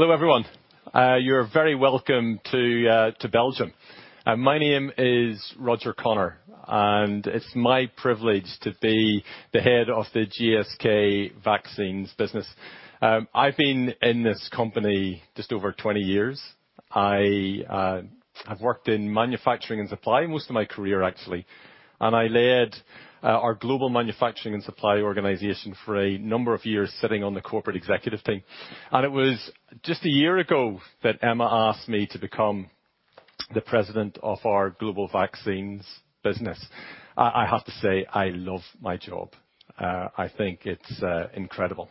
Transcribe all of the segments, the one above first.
Hello, everyone. You're very welcome to Belgium. My name is Roger Connor. It's my privilege to be the head of the GSK Vaccines Business. I've been in this company just over 20 years. I have worked in manufacturing and supply most of my career, actually. I led our global manufacturing and supply organization for a number of years, sitting on the corporate executive team. It was just a year ago that Emma asked me to become the President of our Global Vaccines Business. I have to say, I love my job. I think it's incredible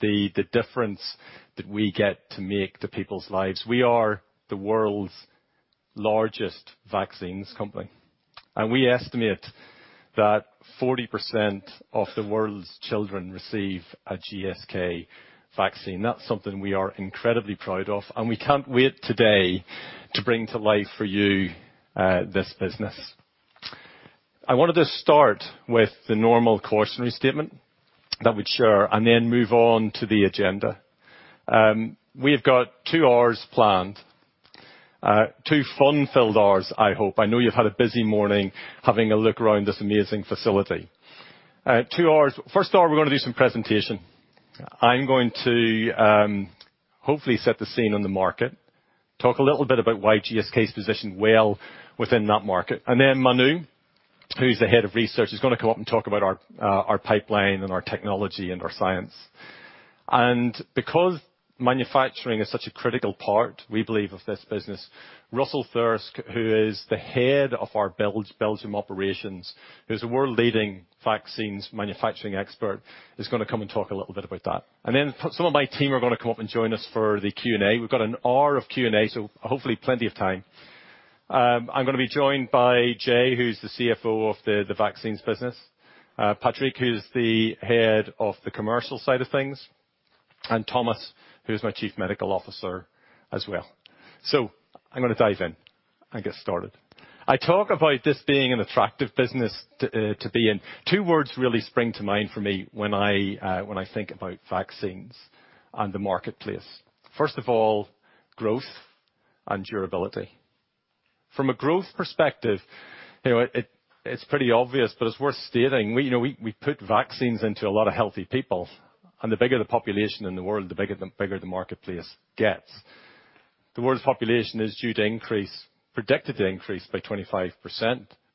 the difference that we get to make to people's lives. We are the world's largest vaccines company. We estimate that 40% of the world's children receive a GSK vaccine. That's something we are incredibly proud of, and we can't wait today to bring to life for you this business. I wanted to start with the normal cautionary statement that we'd share, and then move on to the agenda. We have got 2 hours planned. 2 fun-filled hours, I hope. I know you've had a busy morning having a look around this amazing facility. 2 hours. First hour, we're going to do some presentation. I'm going to hopefully set the scene on the market, talk a little bit about why GSK is positioned well within that market. Then Manu, who's the head of research, is going to come up and talk about our pipeline and our technology and our science. Because manufacturing is such a critical part, we believe, of this business, Russell Thirsk, who is the head of our Belgium operations, who's a world-leading vaccines manufacturing expert, is going to come and talk a little bit about that. Some of my team are going to come up and join us for the Q&A. We've got an hour of Q&A, so hopefully plenty of time. I'm going to be joined by Jay, who's the CFO of the vaccines business, Patrick, who's the head of the commercial side of things, and Thomas, who's my Chief Medical Officer as well. I'm going to dive in and get started. I talk about this being an attractive business to be in. Two words really spring to mind for me when I think about vaccines and the marketplace. First of all, growth and durability. From a growth perspective, it's pretty obvious, but it's worth stating. We put vaccines into a lot of healthy people, and the bigger the population in the world, the bigger the marketplace gets. The world's population is due to increase, predicted to increase by 25%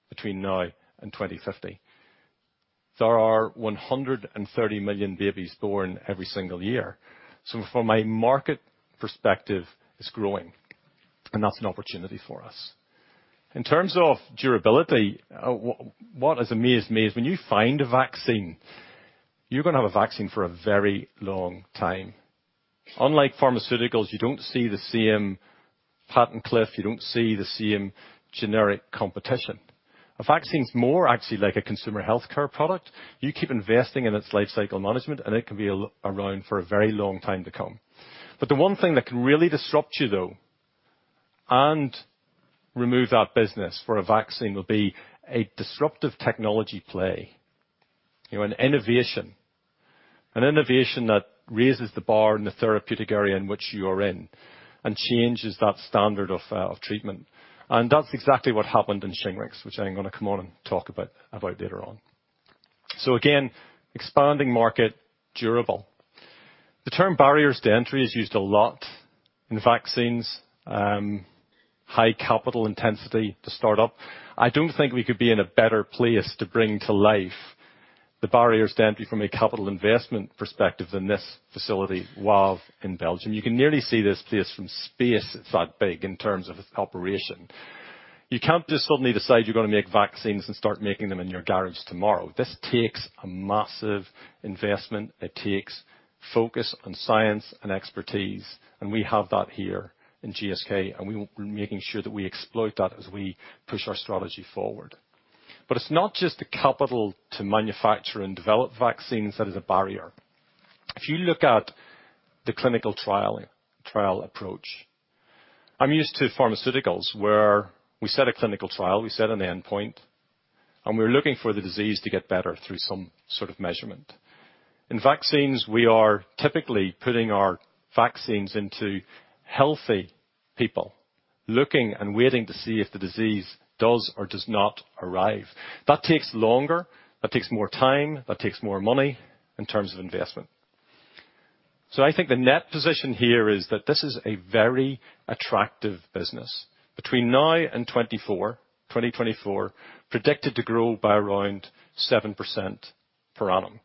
between now and 2050. There are 130 million babies born every single year. From a market perspective, it's growing, and that's an opportunity for us. In terms of durability, what has amazed me is when you find a vaccine, you're going to have a vaccine for a very long time. Unlike pharmaceuticals, you don't see the same patent cliff. You don't see the same generic competition. A vaccine's more actually like a consumer healthcare product. You keep investing in its life cycle management, and it can be around for a very long time to come. The one thing that can really disrupt you, though, and remove that business for a vaccine, will be a disruptive technology play. An innovation. An innovation that raises the bar in the therapeutic area in which you are in and changes that standard of treatment. That's exactly what happened in Shingrix, which I am going to come on and talk about later on. Again, expanding market, durable. The term barriers to entry is used a lot in vaccines. High capital intensity to start up. I don't think we could be in a better place to bring to life the barriers to entry from a capital investment perspective than this facility, Wavre in Belgium. You can nearly see this place from space. It's that big in terms of its operation. You can't just suddenly decide you're going to make vaccines and start making them in your garage tomorrow. This takes a massive investment. It takes focus on science and expertise, and we have that here in GSK, and we're making sure that we exploit that as we push our strategy forward. It's not just the capital to manufacture and develop vaccines that is a barrier. If you look at the clinical trial approach, I'm used to pharmaceuticals where we set a clinical trial, we set an endpoint, and we're looking for the disease to get better through some sort of measurement. In vaccines, we are typically putting our vaccines into healthy people, looking and waiting to see if the disease does or does not arrive. That takes longer. That takes more time. That takes more money in terms of investment. I think the net position here is that this is a very attractive business. Between now and 2024, predicted to grow by around 7% per annum.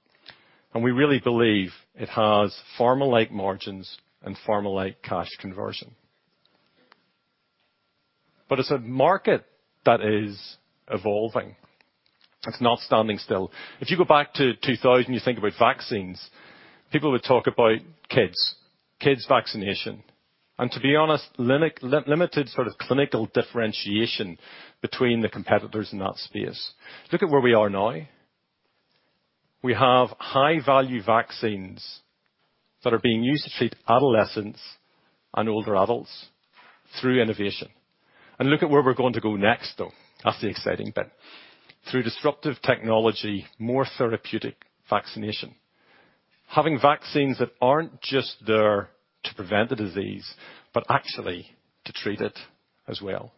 We really believe it has pharma-like margins and pharma-like cash conversion. It's a market that is evolving. It's not standing still. If you go back to 2000, you think about vaccines, people would talk about kids. Kids vaccination. To be honest, limited sort of clinical differentiation between the competitors in that space. Look at where we are now. We have high-value vaccines that are being used to treat adolescents and older adults. Through innovation. Look at where we're going to go next, though. That's the exciting bit. Through disruptive technology, more therapeutic vaccination. Having vaccines that aren't just there to prevent the disease, but actually to treat it as well.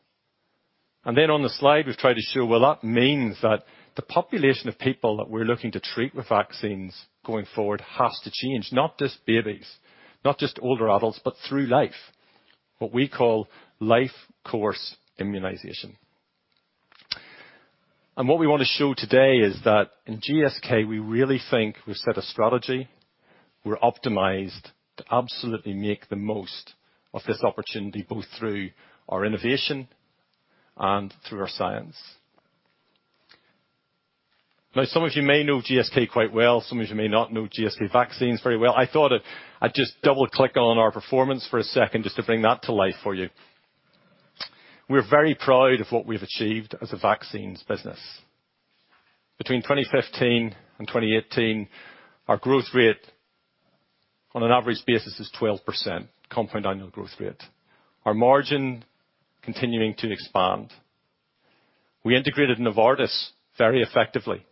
Then on the slide, we've tried to show, well, that means that the population of people that we're looking to treat with vaccines going forward has to change. What we call life course immunization. What we want to show today is that in GSK, we really think we've set a strategy, we're optimized to absolutely make the most of this opportunity, both through our innovation and through our science. Some of you may know GSK quite well. Some of you may not know GSK Vaccines very well. I thought I'd just double-click on our performance for a second just to bring that to life for you. We're very proud of what we've achieved as a vaccines business. Between 2015 and 2018, our growth rate on an average basis is 12% compound annual growth rate. Our margin continuing to expand. We integrated Novartis very effectively.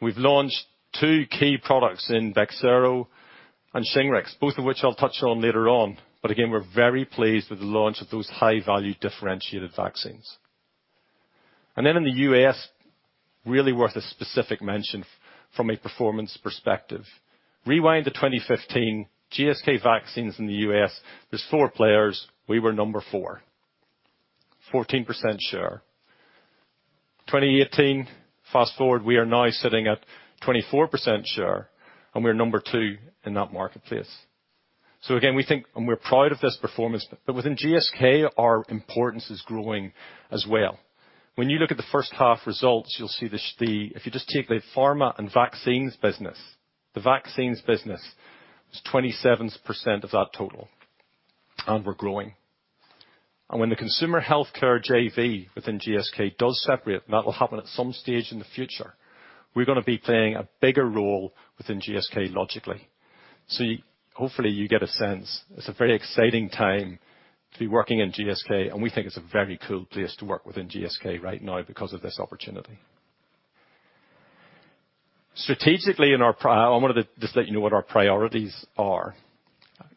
We've launched two key products in BEXSERO and SHINGRIX, both of which I'll touch on later on. We're very pleased with the launch of those high-value differentiated vaccines. In the U.S., really worth a specific mention from a performance perspective. Rewind to 2015, GSK Vaccines in the U.S., there's four players. We were number 4, 14% share. 2018, fast-forward, we are now sitting at 24% share, and we're number 2 in that marketplace. We're proud of this performance, but within GSK, our importance is growing as well. When you look at the first half results, if you just take the pharma and Vaccines business, the Vaccines business was 27% of that total, and we're growing. When the consumer healthcare JV within GSK does separate, and that will happen at some stage in the future, we're going to be playing a bigger role within GSK, logically. Hopefully you get a sense. It's a very exciting time to be working in GSK, and we think it's a very cool place to work within GSK right now because of this opportunity. Strategically, I wanted to just let you know what our priorities are.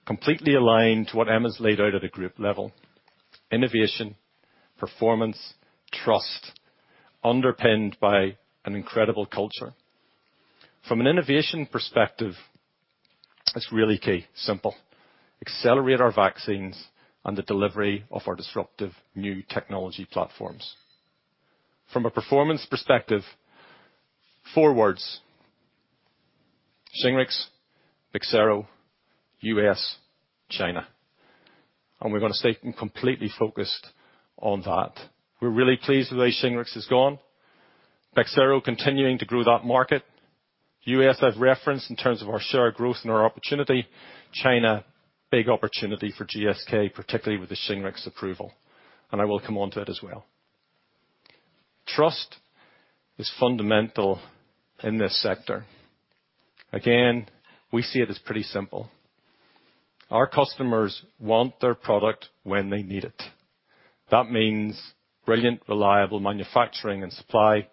Completely aligned to what Emma's laid out at the group level. Innovation, performance, trust, underpinned by an incredible culture. From an innovation perspective, it's really key. Simple. Accelerate our vaccines and the delivery of our disruptive new technology platforms. From a performance perspective, four words: Shingrix, Bexsero, U.S., China. We're going to stay completely focused on that. We're really pleased with the way Shingrix has gone. Bexsero continuing to grow that market. U.S. I've referenced in terms of our share growth and our opportunity. China, big opportunity for GSK, particularly with the Shingrix approval, and I will come onto it as well. Trust is fundamental in this sector. Again, we see it as pretty simple. Our customers want their product when they need it. That means brilliant, reliable manufacturing and supply,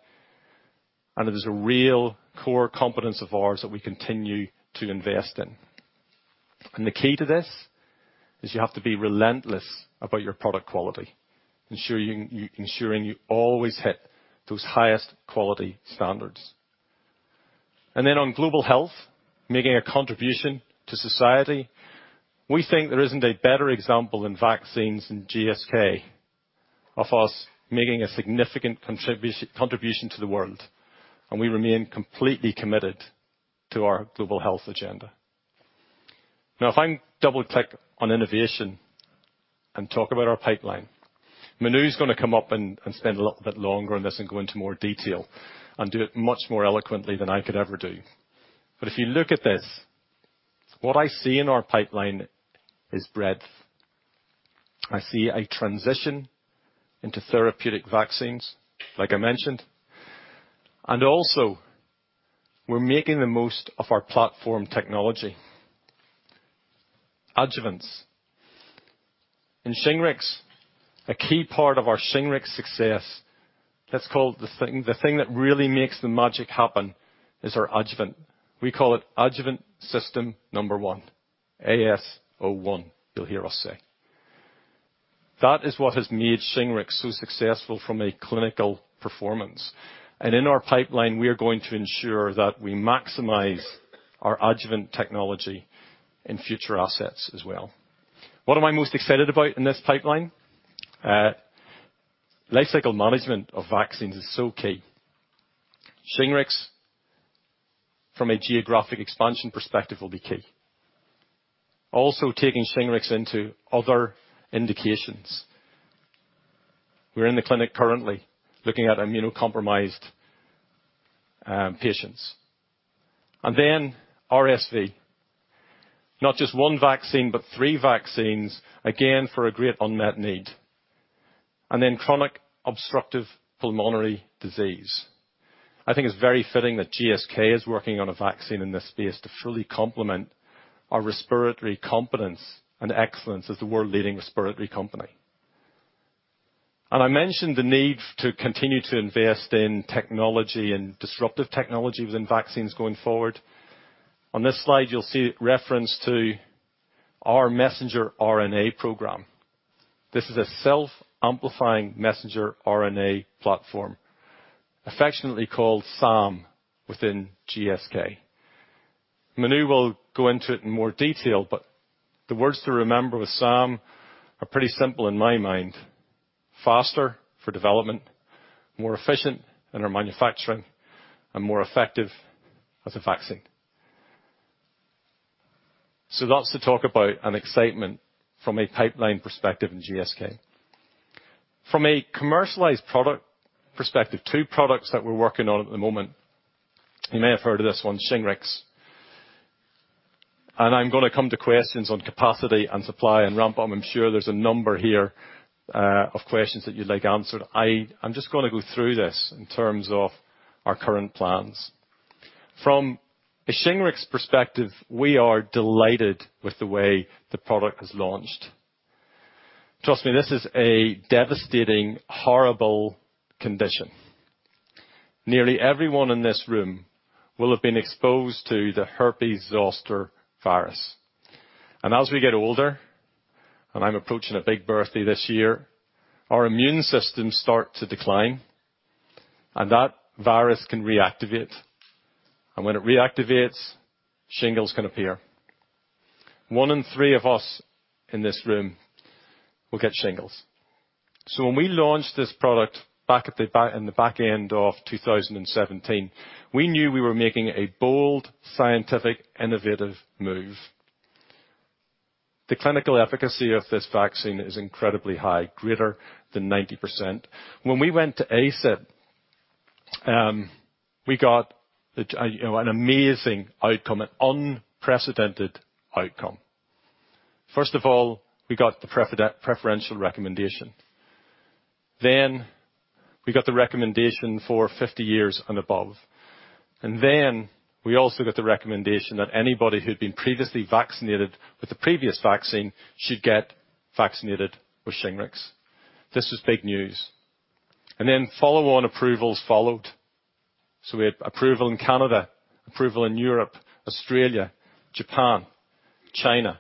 and it is a real core competence of ours that we continue to invest in. The key to this is you have to be relentless about your product quality, ensuring you always hit those highest quality standards. On global health, making a contribution to society. We think there isn't a better example than vaccines in GSK of us making a significant contribution to the world, and we remain completely committed to our global health agenda. Now if I double-click on innovation and talk about our pipeline. Manu is going to come up and spend a little bit longer on this and go into more detail and do it much more eloquently than I could ever do. If you look at this, what I see in our pipeline is breadth. I see a transition into therapeutic vaccines, like I mentioned, and also we're making the most of our platform technology. Adjuvants. In SHINGRIX, a key part of our SHINGRIX success, let's call the thing that really makes the magic happen is our adjuvant. We call it adjuvant system number 1. AS01, you'll hear us say. That is what has made SHINGRIX so successful from a clinical performance. In our pipeline, we are going to ensure that we maximize our adjuvant technology in future assets as well. What am I most excited about in this pipeline? Life cycle management of vaccines is so key. SHINGRIX, from a geographic expansion perspective, will be key. Also, taking SHINGRIX into other indications. We're in the clinic currently looking at immunocompromised patients. RSV. Not just one vaccine, but three vaccines, again, for a great unmet need. Chronic obstructive pulmonary disease. I think it's very fitting that GSK is working on a vaccine in this space to fully complement our respiratory competence and excellence as the world-leading respiratory company. I mentioned the need to continue to invest in technology and disruptive technology within vaccines going forward. On this slide, you'll see reference to our messenger RNA program. This is a self-amplifying messenger RNA platform, affectionately called SAM within GSK. Manu will go into it in more detail, but the words to remember with SAM are pretty simple in my mind. Faster for development, more efficient in our manufacturing, and more effective as a vaccine. That's the talk about and excitement from a pipeline perspective in GSK. From a commercialized product perspective, two products that we're working on at the moment. You may have heard of this one, SHINGRIX. I'm going to come to questions on capacity and supply and ramp up. I'm sure there's a number here of questions that you'd like answered. I'm just going to go through this in terms of our current plans. From a SHINGRIX perspective, we are delighted with the way the product has launched. Trust me, this is a devastating, horrible condition. Nearly everyone in this room will have been exposed to the herpes zoster virus. As we get older, and I'm approaching a big birthday this year, our immune systems start to decline, and that virus can reactivate. When it reactivates, shingles can appear. One in three of us in this room will get shingles. When we launched this product back in the back end of 2017, we knew we were making a bold, scientific, innovative move. The clinical efficacy of this vaccine is incredibly high, greater than 90%. When we went to ACIP, we got an amazing outcome, an unprecedented outcome. First of all, we got the preferential recommendation. We got the recommendation for 50 years and above. We also got the recommendation that anybody who'd been previously vaccinated with the previous vaccine should get vaccinated with SHINGRIX. This was big news. Follow-on approvals followed. We had approval in Canada, approval in Europe, Australia, Japan, China.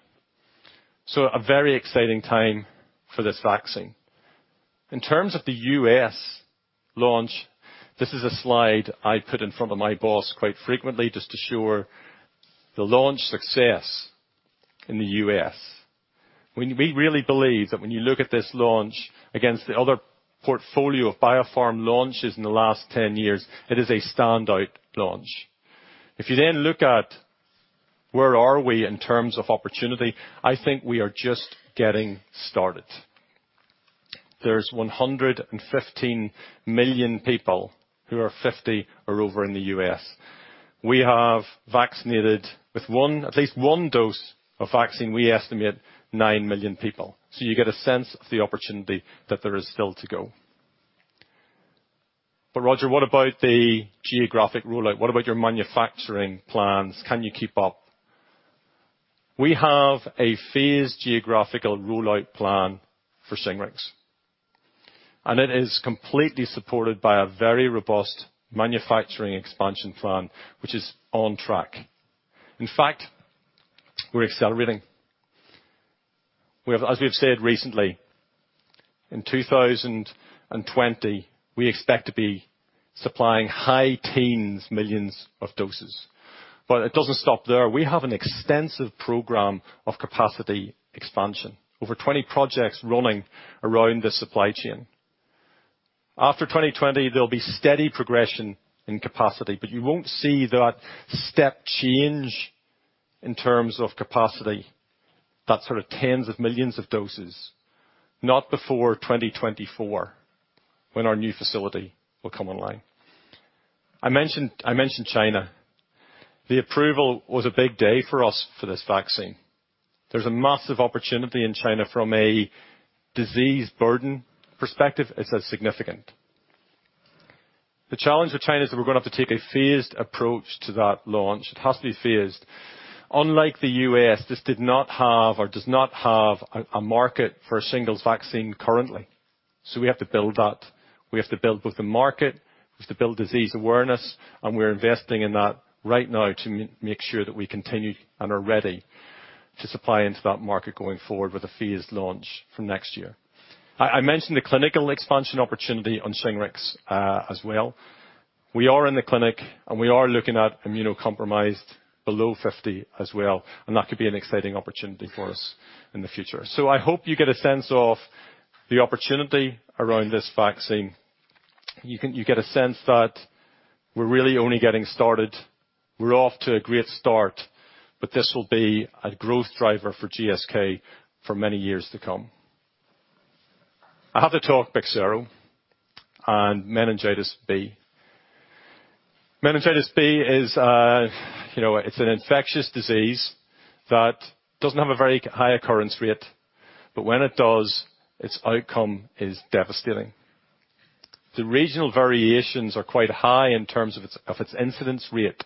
A very exciting time for this vaccine. In terms of the U.S. launch, this is a slide I put in front of my boss quite frequently just to show the launch success in the U.S. We really believe that when you look at this launch against the other portfolio of biopharm launches in the last 10 years, it is a standout launch. Where are we in terms of opportunity, I think we are just getting started. There's 115 million people who are 50 or over in the U.S. We have vaccinated with at least one dose of vaccine, we estimate nine million people. You get a sense of the opportunity that there is still to go. Roger, what about the geographic rollout? What about your manufacturing plans? Can you keep up? We have a phased geographical rollout plan for Shingrix, and it is completely supported by a very robust manufacturing expansion plan which is on track. In fact, we're accelerating. As we've said recently, in 2020, we expect to be supplying high teens millions of doses. It doesn't stop there. We have an extensive program of capacity expansion. Over 20 projects running around the supply chain. After 2020, there'll be steady progression in capacity. You won't see that step change in terms of capacity, that sort of tens of millions of doses, not before 2024, when our new facility will come online. I mentioned China. The approval was a big day for us for this vaccine. There's a massive opportunity in China from a disease burden perspective. It's significant. The challenge with China is that we're going to have to take a phased approach to that launch. It has to be phased. Unlike the U.S., this did not have or does not have a market for a shingles vaccine currently. We have to build that. We have to build with the market, we have to build disease awareness, and we're investing in that right now to make sure that we continue and are ready to supply into that market going forward with a phased launch from next year. I mentioned the clinical expansion opportunity on SHINGRIX as well. We are in the clinic, and we are looking at immunocompromised below 50 as well, and that could be an exciting opportunity for us in the future. I hope you get a sense of the opportunity around this vaccine. You get a sense that we're really only getting started. We're off to a great start, but this will be a growth driver for GSK for many years to come. I have to talk BEXSERO and meningitis B, it's an infectious disease that doesn't have a very high occurrence rate, but when it does, its outcome is devastating. The regional variations are quite high in terms of its incidence rate.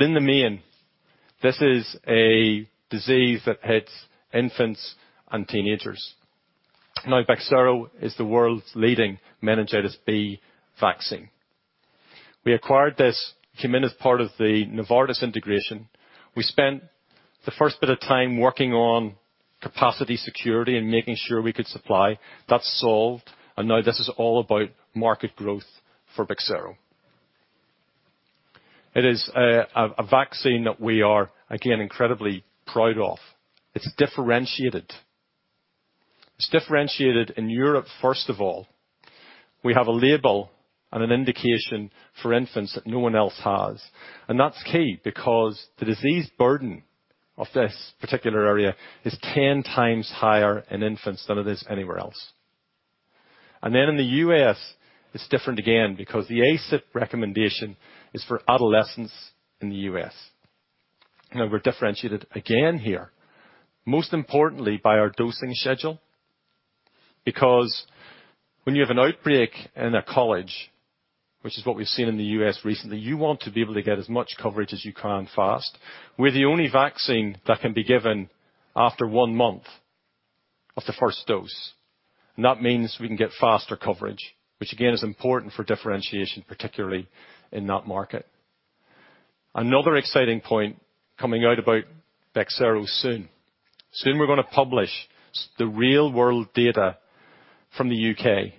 In the main, this is a disease that hits infants and teenagers. Now BEXSERO is the world's leading meningitis B vaccine. We acquired this came in as part of the Novartis integration. We spent the first bit of time working on capacity security and making sure we could supply. That's solved. Now this is all about market growth for BEXSERO. It is a vaccine that we are, again, incredibly proud of. It's differentiated. It's differentiated in Europe, first of all. We have a label and an indication for infants that no one else has. That's key because the disease burden of this particular area is 10 times higher in infants than it is anywhere else. Then in the U.S., it's different again because the ACIP recommendation is for adolescents in the U.S. Now we're differentiated again here, most importantly by our dosing schedule. Because when you have an outbreak in a college, which is what we've seen in the U.S. recently, you want to be able to get as much coverage as you can fast. We're the only vaccine that can be given after one month of the first dose. That means we can get faster coverage, which again, is important for differentiation, particularly in that market. Another exciting point coming out about BEXSERO soon. Soon we're going to publish the real world data from the U.K.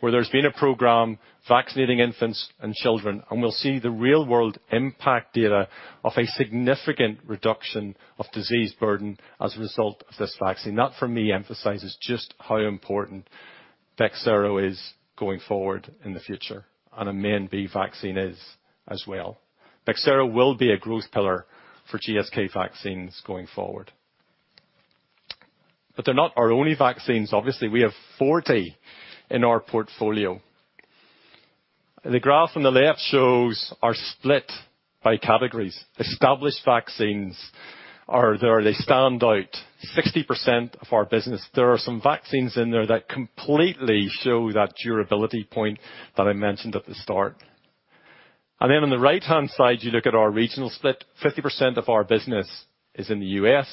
where there's been a program vaccinating infants and children, and we'll see the real-world impact data of a significant reduction of disease burden as a result of this vaccine. That, for me, emphasizes just how important BEXSERO is going forward in the future, and a MenB vaccine is as well. BEXSERO will be a growth pillar for GSK Vaccines going forward. They're not our only vaccines. Obviously, we have 40 in our portfolio. The graph on the left shows our split by categories. Established vaccines are there. They stand out 60% of our business. There are some vaccines in there that completely show that durability point that I mentioned at the start. On the right-hand side, you look at our regional split. 50% of our business is in the U.S.,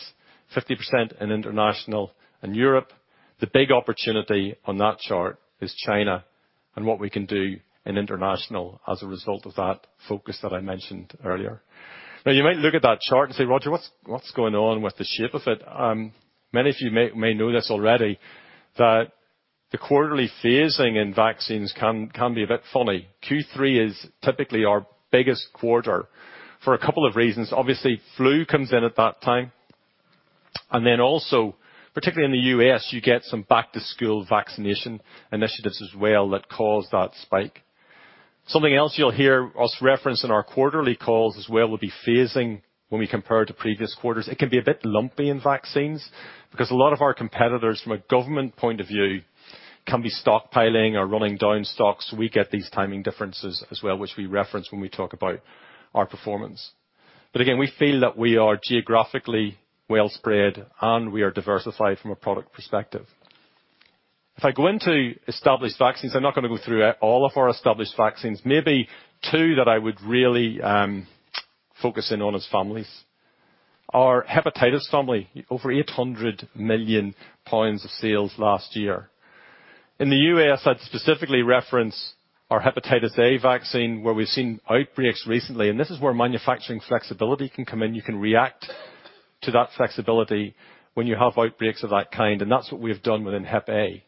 50% in international and Europe. The big opportunity on that chart is China and what we can do in international as a result of that focus that I mentioned earlier. You might look at that chart and say, "Roger, what's going on with the shape of it?" Many of you may know this already, that the quarterly phasing in vaccines can be a bit funny. Q3 is typically our biggest quarter for a couple of reasons. Obviously, flu comes in at that time. Particularly in the U.S., you get some back-to-school vaccination initiatives as well that cause that spike. Something else you'll hear us reference in our quarterly calls as well will be phasing when we compare to previous quarters. It can be a bit lumpy in vaccines because a lot of our competitors, from a government point of view, can be stockpiling or running down stocks. We get these timing differences as well, which we reference when we talk about our performance. Again, we feel that we are geographically well spread and we are diversified from a product perspective. If I go into established vaccines, I'm not going to go through all of our established vaccines. Maybe two that I would really focus in on as families. Our hepatitis family, over 800 million pounds of sales last year. In the U.S., I'd specifically reference our hepatitis A vaccine, where we've seen outbreaks recently, and this is where manufacturing flexibility can come in. You can react to that flexibility when you have outbreaks of that kind, and that's what we've done within hep A.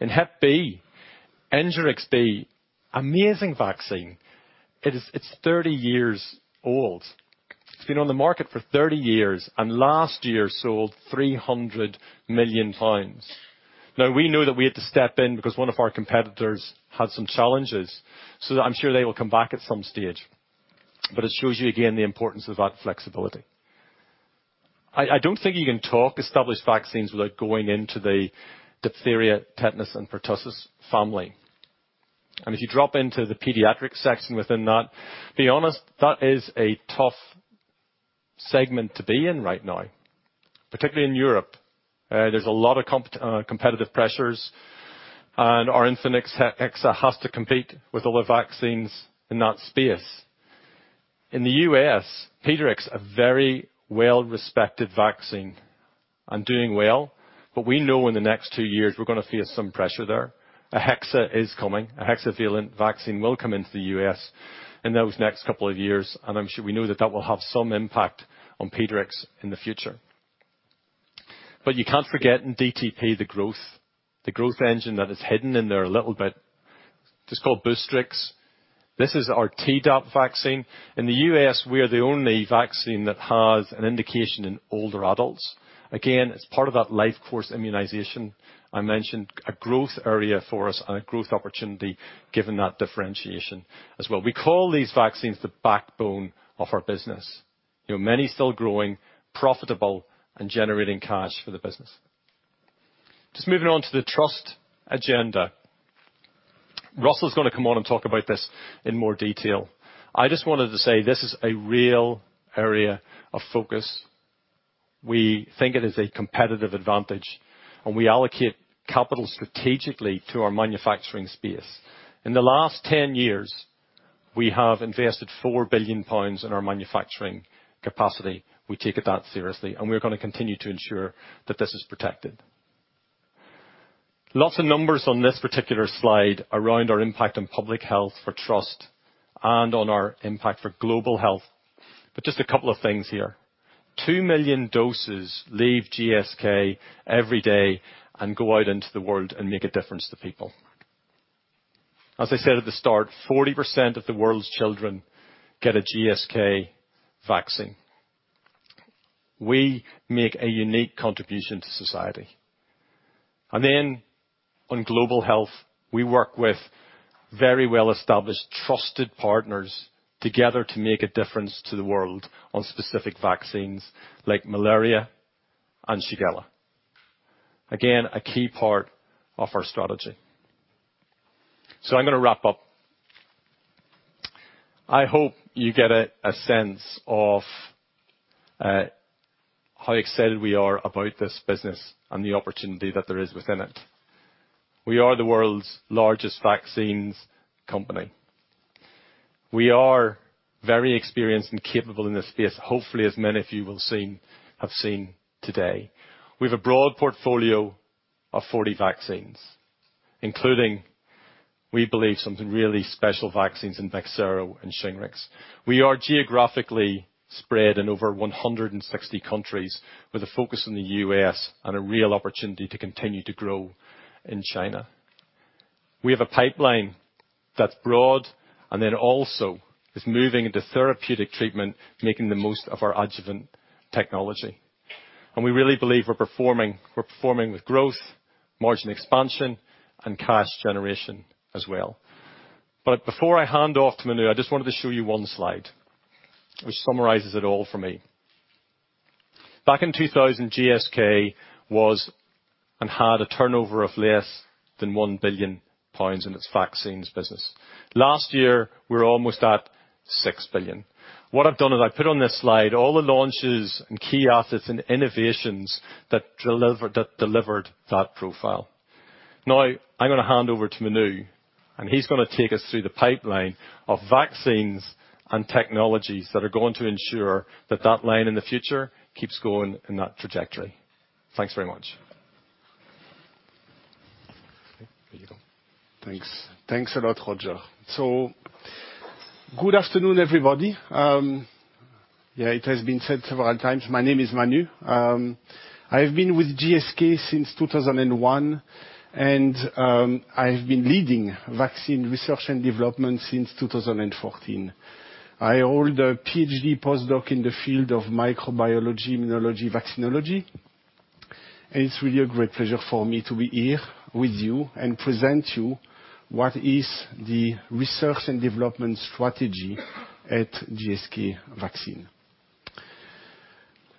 In hep B, Engerix-B, amazing vaccine. It's 30 years old. It's been on the market for 30 years, last year sold 300 million pounds. We know that we had to step in because one of our competitors had some challenges, I'm sure they will come back at some stage. It shows you again the importance of that flexibility. I don't think you can talk established vaccines without going into the diphtheria, tetanus, and pertussis family. If you drop into the pediatric section within that, be honest, that is a tough segment to be in right now, particularly in Europe. There's a lot of competitive pressures, and our Infanrix Hexa has to compete with other vaccines in that space. In the U.S., PEDIARIX, a very well-respected vaccine and doing well, but we know in the next two years we're going to face some pressure there. A hexa is coming. A hexavalent vaccine will come into the U.S. in those next couple of years, and I'm sure we know that will have some impact on PEDIARIX in the future. You can't forget in DTP the growth engine that is hidden in there a little bit. It's called Boostrix. This is our Tdap vaccine. In the U.S., we are the only vaccine that has an indication in older adults. Again, it's part of that life course immunization I mentioned, a growth area for us and a growth opportunity given that differentiation as well. We call these vaccines the backbone of our business. Many still growing profitable and generating cash for the business. Just moving on to the trust agenda. Russell's going to come on and talk about this in more detail. I just wanted to say, this is a real area of focus. We think it is a competitive advantage, and we allocate capital strategically to our manufacturing space. In the last 10 years, we have invested £4 billion in our manufacturing capacity. We take it that seriously, and we're going to continue to ensure that this is protected. Lots of numbers on this particular slide around our impact on public health for trust and on our impact for global health. 2 million doses leave GSK every day and go out into the world and make a difference to people. As I said at the start, 40% of the world's children get a GSK vaccine. We make a unique contribution to society. On global health, we work with very well-established trusted partners together to make a difference to the world on specific vaccines like malaria and shigella. Again, a key part of our strategy. I'm going to wrap up. I hope you get a sense of how excited we are about this business and the opportunity that there is within it. We are the world's largest vaccines company. We are very experienced and capable in this space, hopefully as many of you will have seen today. We've a broad portfolio of 40 vaccines, including, we believe, some really special vaccines in BEXSERO and SHINGRIX. We are geographically spread in over 160 countries with a focus on the U.S. and a real opportunity to continue to grow in China. We have a pipeline that's broad and also is moving into therapeutic treatment, making the most of our adjuvant technology. We really believe we're performing with growth, margin expansion, and cash generation as well. Before I hand off to Manu, I just wanted to show you one slide which summarizes it all for me. Back in 2000, GSK was and had a turnover of less than 1 billion pounds in its vaccines business. Last year, we were almost at 6 billion. What I've done is I've put on this slide all the launches and key assets and innovations that delivered that profile. Now, I'm going to hand over to Manu. He's going to take us through the pipeline of vaccines and technologies that are going to ensure that that line in the future keeps going in that trajectory. Thanks very much. Thanks. Thanks a lot, Roger. Good afternoon, everybody. Yeah, it has been said several times. My name is Manu. I've been with GSK since 2001, and I've been leading vaccine research and development since 2014. I hold a PhD postdoc in the field of microbiology, immunology, vaccinology, and it's really a great pleasure for me to be here with you and present you what is the research and development strategy at GSK Vaccines.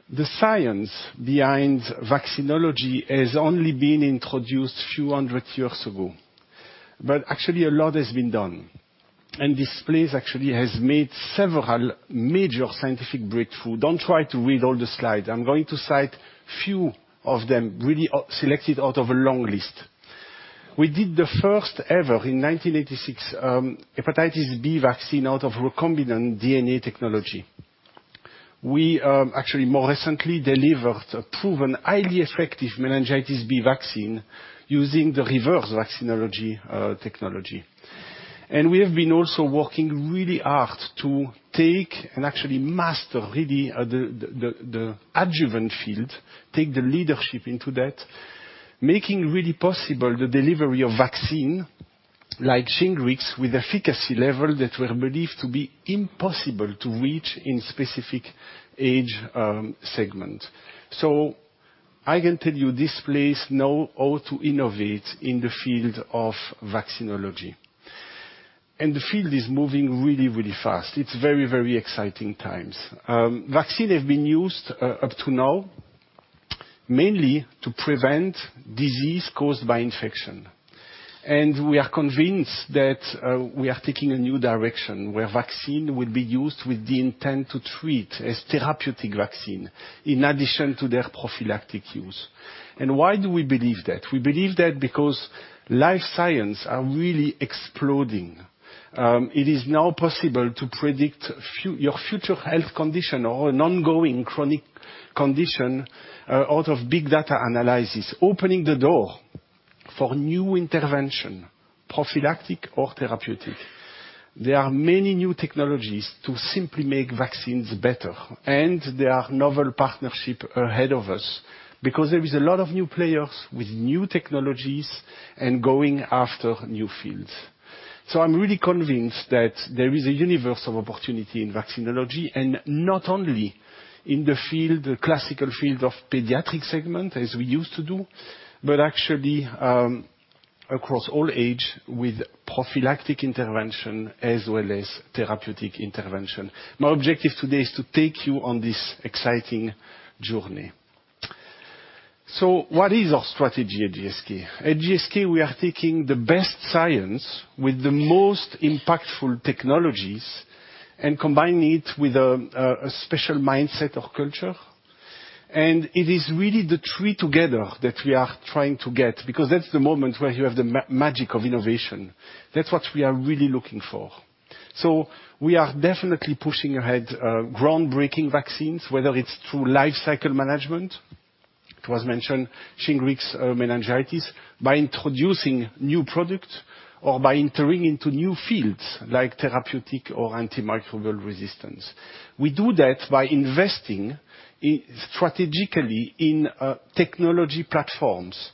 The science behind vaccinology has only been introduced a few hundred years ago, but actually a lot has been done, and this place actually has made several major scientific breakthrough. Don't try to read all the slides. I'm going to cite a few of them, really selected out of a long list. We did the first ever, in 1986, hepatitis B vaccine out of recombinant DNA technology. We actually more recently delivered a proven, highly effective meningitis B vaccine using the reverse vaccinology technology. We have been also working really hard to take and actually master really the adjuvant field, take the leadership into that, making really possible the delivery of vaccine like SHINGRIX with efficacy level that were believed to be impossible to reach in specific age segments. I can tell you this place know how to innovate in the field of vaccinology, and the field is moving really, really fast. It's very, very exciting times. Vaccine have been used up to now mainly to prevent disease caused by infection, and we are convinced that we are taking a new direction where vaccine will be used with the intent to treat as therapeutic vaccine in addition to their prophylactic use. Why do we believe that? We believe that because life science are really exploding. It is now possible to predict your future health condition or an ongoing chronic condition out of big data analysis, opening the door for new intervention, prophylactic or therapeutic. There are many new technologies to simply make vaccines better, there are novel partnership ahead of us because there is a lot of new players with new technologies and going after new fields. I'm really convinced that there is a universe of opportunity in vaccinology, and not only in the classical field of pediatric segment as we used to do, but Across all age with prophylactic intervention as well as therapeutic intervention. My objective today is to take you on this exciting journey. What is our strategy at GSK? At GSK, we are taking the best science with the most impactful technologies and combining it with a special mindset of culture. It is really the three together that we are trying to get, because that's the moment where you have the magic of innovation. That's what we are really looking for. We are definitely pushing ahead groundbreaking vaccines, whether it's through life cycle management, it was mentioned SHINGRIX meningitis, by introducing new product or by entering into new fields like therapeutic or antimicrobial resistance. We do that by investing strategically in technology platforms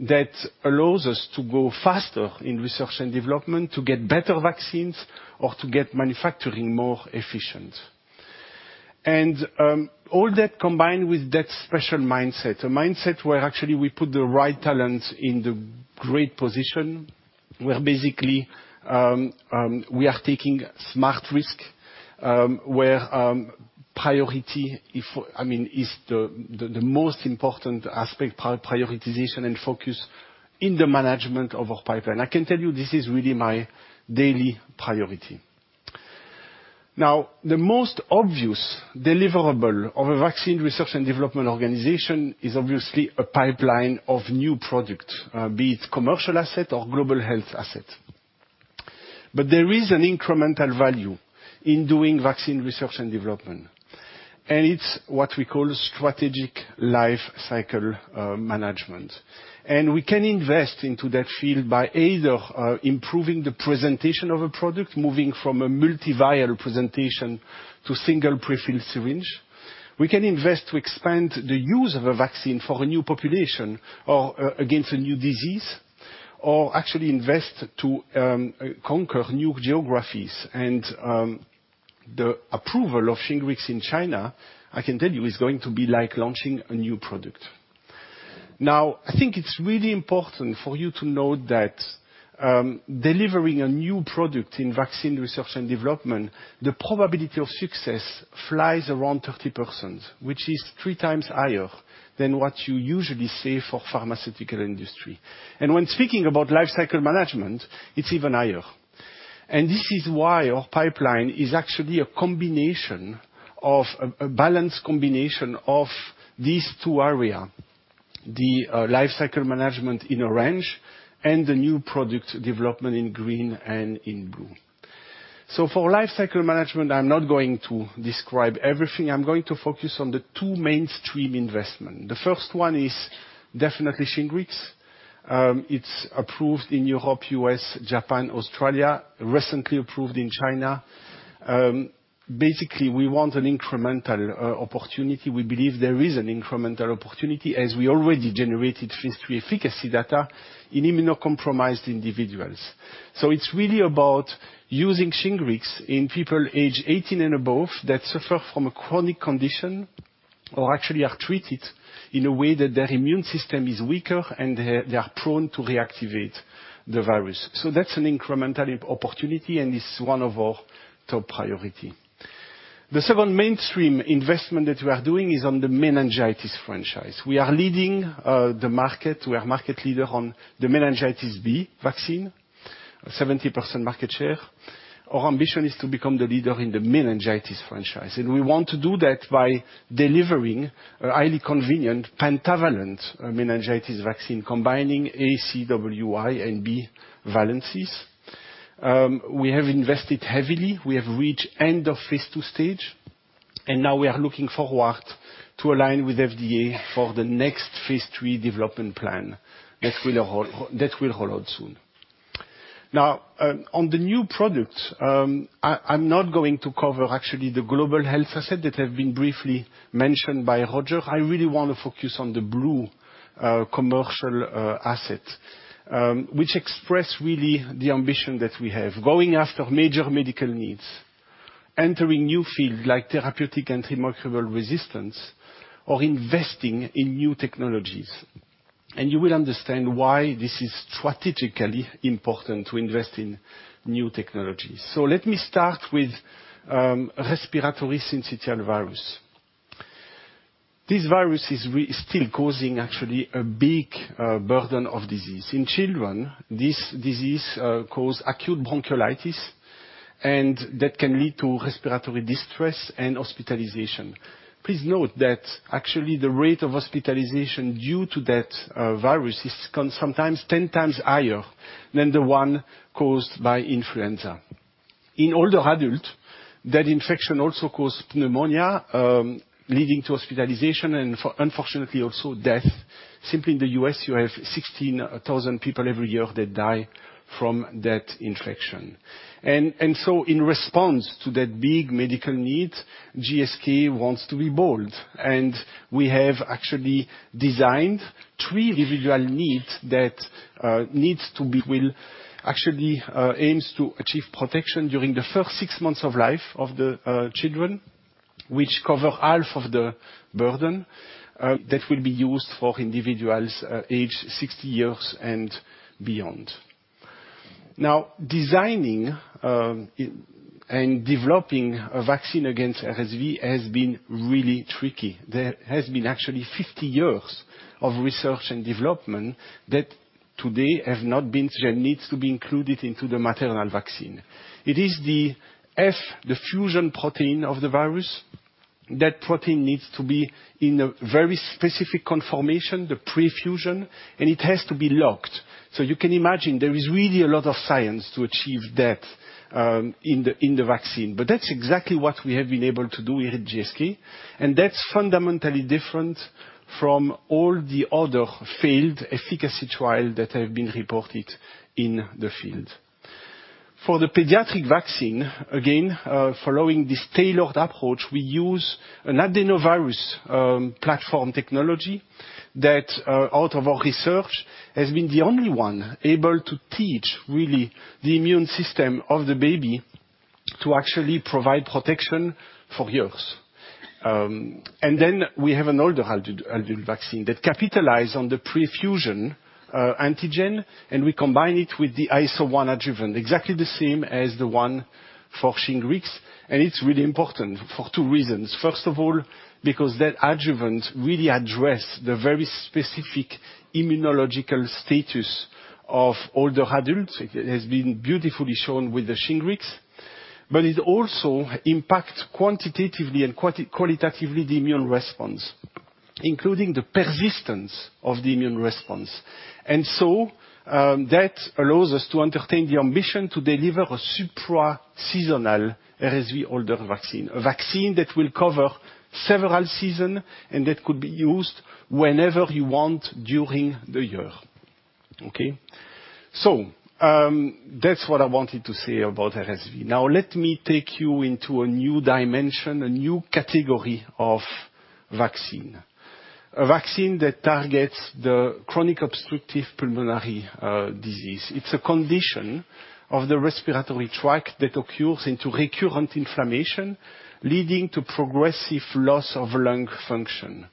that allows us to go faster in research and development, to get better vaccines or to get manufacturing more efficient. All that combined with that special mindset, a mindset where actually we put the right talent in the great position, where basically, we are taking smart risk, where priority is the most important aspect, prioritization and focus in the management of our pipeline. I can tell you this is really my daily priority. The most obvious deliverable of a vaccine research and development organization is obviously a pipeline of new product, be it commercial asset or global health asset. There is an incremental value in doing vaccine research and development, and it's what we call strategic life cycle management. We can invest into that field by either improving the presentation of a product, moving from a multi-vial presentation to single prefilled syringe. We can invest to expand the use of a vaccine for a new population or against a new disease, or actually invest to conquer new geographies. The approval of Shingrix in China, I can tell you, is going to be like launching a new product. Now, I think it's really important for you to know that delivering a new product in vaccine research and development, the probability of success flies around 30%, which is three times higher than what you usually see for pharmaceutical industry. When speaking about life cycle management, it's even higher. This is why our pipeline is actually a balanced combination of these two area, the life cycle management in orange and the new product development in green and in blue. For life cycle management, I'm not going to describe everything. I'm going to focus on the two mainstream investment. The first one is definitely Shingrix. It's approved in Europe, U.S., Japan, Australia, recently approved in China. We want an incremental opportunity. We believe there is an incremental opportunity as we already generated phase III efficacy data in immunocompromised individuals. It's really about using Shingrix in people age 18 and above that suffer from a chronic condition or actually are treated in a way that their immune system is weaker, and they are prone to reactivate the virus. That's an incremental opportunity, and it's one of our top priority. The second mainstream investment that we are doing is on the meningitis franchise. We are leading the market. We are market leader on the MenB vaccine, 70% market share. Our ambition is to become the leader in the meningitis franchise, and we want to do that by delivering a highly convenient pentavalent meningitis vaccine, combining A, C, W, Y, and B valencies. We have invested heavily. We have reached end of phase II stage. Now we are looking forward to align with FDA for the next phase III development plan that will roll out soon. Now, on the new product, I'm not going to cover actually the global health asset that have been briefly mentioned by Roger. I really want to focus on the blue commercial asset, which express really the ambition that we have. Going after major medical needs, entering new field like therapeutic, antimicrobial resistance, or investing in new technologies. You will understand why this is strategically important to invest in new technologies. Let me start with respiratory syncytial virus. This virus is still causing actually a big burden of disease. In children, this disease cause acute bronchiolitis, and that can lead to respiratory distress and hospitalization. Please note that actually the rate of hospitalization due to that virus is sometimes 10 times higher than the one caused by influenza. In older adult, that infection also cause pneumonia, leading to hospitalization and unfortunately, also death. Simply in the U.S., you have 16,000 people every year that die from that infection. In response to that big medical need, GSK wants to be bold, and we have actually designed three individual needs that actually aims to achieve protection during the first six months of life of the children. Which cover half of the burden that will be used for individuals age 60 years and beyond. Now, designing and developing a vaccine against RSV has been really tricky. There has been actually 50 years of research and development that today needs to be included into the maternal vaccine. It is the F, the fusion protein of the virus. That protein needs to be in a very specific conformation, the prefusion, and it has to be locked. You can imagine there is really a lot of science to achieve that in the vaccine. That's exactly what we have been able to do here at GSK, and that's fundamentally different from all the other failed efficacy trial that have been reported in the field. For the pediatric vaccine, again, following this tailored approach, we use an adenovirus platform technology that, out of our research, has been the only one able to teach really the immune system of the baby to actually provide protection for years. We have an older adult vaccine that capitalize on the prefusion antigen, and we combine it with the AS01 adjuvant, exactly the same as the one for SHINGRIX. It's really important for two reasons. First of all, because that adjuvant really address the very specific immunological status of older adults. It has been beautifully shown with the SHINGRIX, but it also impacts quantitatively and qualitatively the immune response, including the persistence of the immune response. That allows us to entertain the ambition to deliver a supra-seasonal RSV older vaccine, a vaccine that will cover several season and that could be used whenever you want during the year. Okay. That's what I wanted to say about RSV. Let me take you into a new dimension, a new category of vaccine. A vaccine that targets the chronic obstructive pulmonary disease. It's a condition of the respiratory tract that occurs into recurrent inflammation, leading to progressive loss of lung function.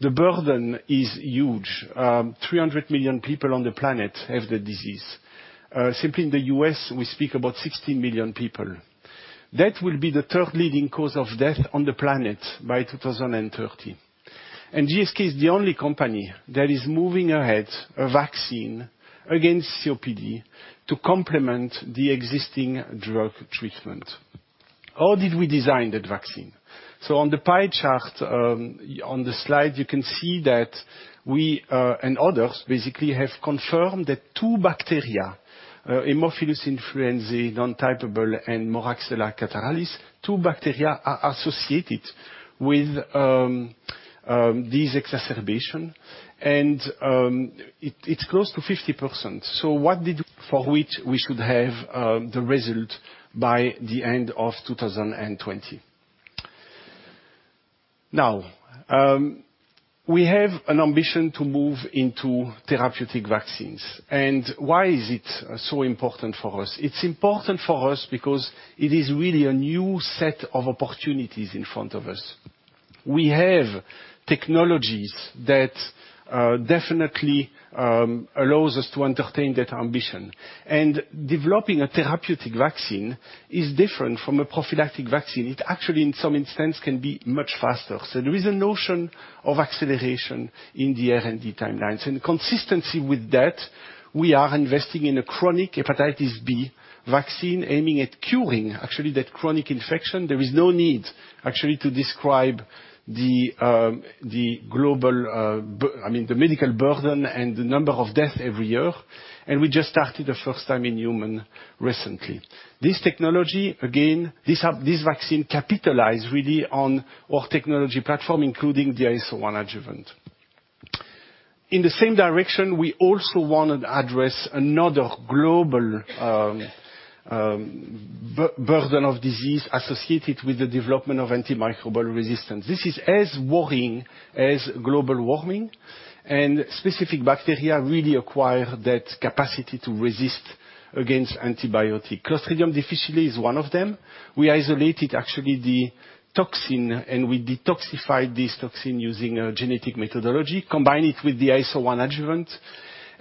The burden is huge. 300 million people on the planet have the disease. Simply in the U.S., we speak about 60 million people. That will be the third leading cause of death on the planet by 2030. GSK is the only company that is moving ahead a vaccine against COPD to complement the existing drug treatment. How did we design that vaccine? On the pie chart, on the slide, you can see that we, and others basically, have confirmed that two bacteria, Haemophilus influenzae nontypeable and Moraxella catarrhalis, two bacteria are associated with this exacerbation, and it's close to 50%. For which we should have the result by the end of 2020. Now, we have an ambition to move into therapeutic vaccines. Why is it so important for us? It is important for us because it is really a new set of opportunities in front of us. We have technologies that definitely allows us to entertain that ambition. Developing a therapeutic vaccine is different from a prophylactic vaccine. It actually, in some instance, can be much faster. There is a notion of acceleration in the R&D timelines. Consistency with that, we are investing in a chronic hepatitis B vaccine, aiming at curing actually that chronic infection. There is no need actually to describe the medical burden and the number of death every year, and we just started the first time in human recently. This technology, again, this vaccine capitalize really on our technology platform, including the AS01 adjuvant. In the same direction, we also want to address another global burden of disease associated with the development of antimicrobial resistance. This is as worrying as global warming. Specific bacteria really acquire that capacity to resist against antibiotic. Clostridioides difficile is one of them. We isolated actually the toxin. We detoxified this toxin using a genetic methodology, combine it with the AS01 adjuvant.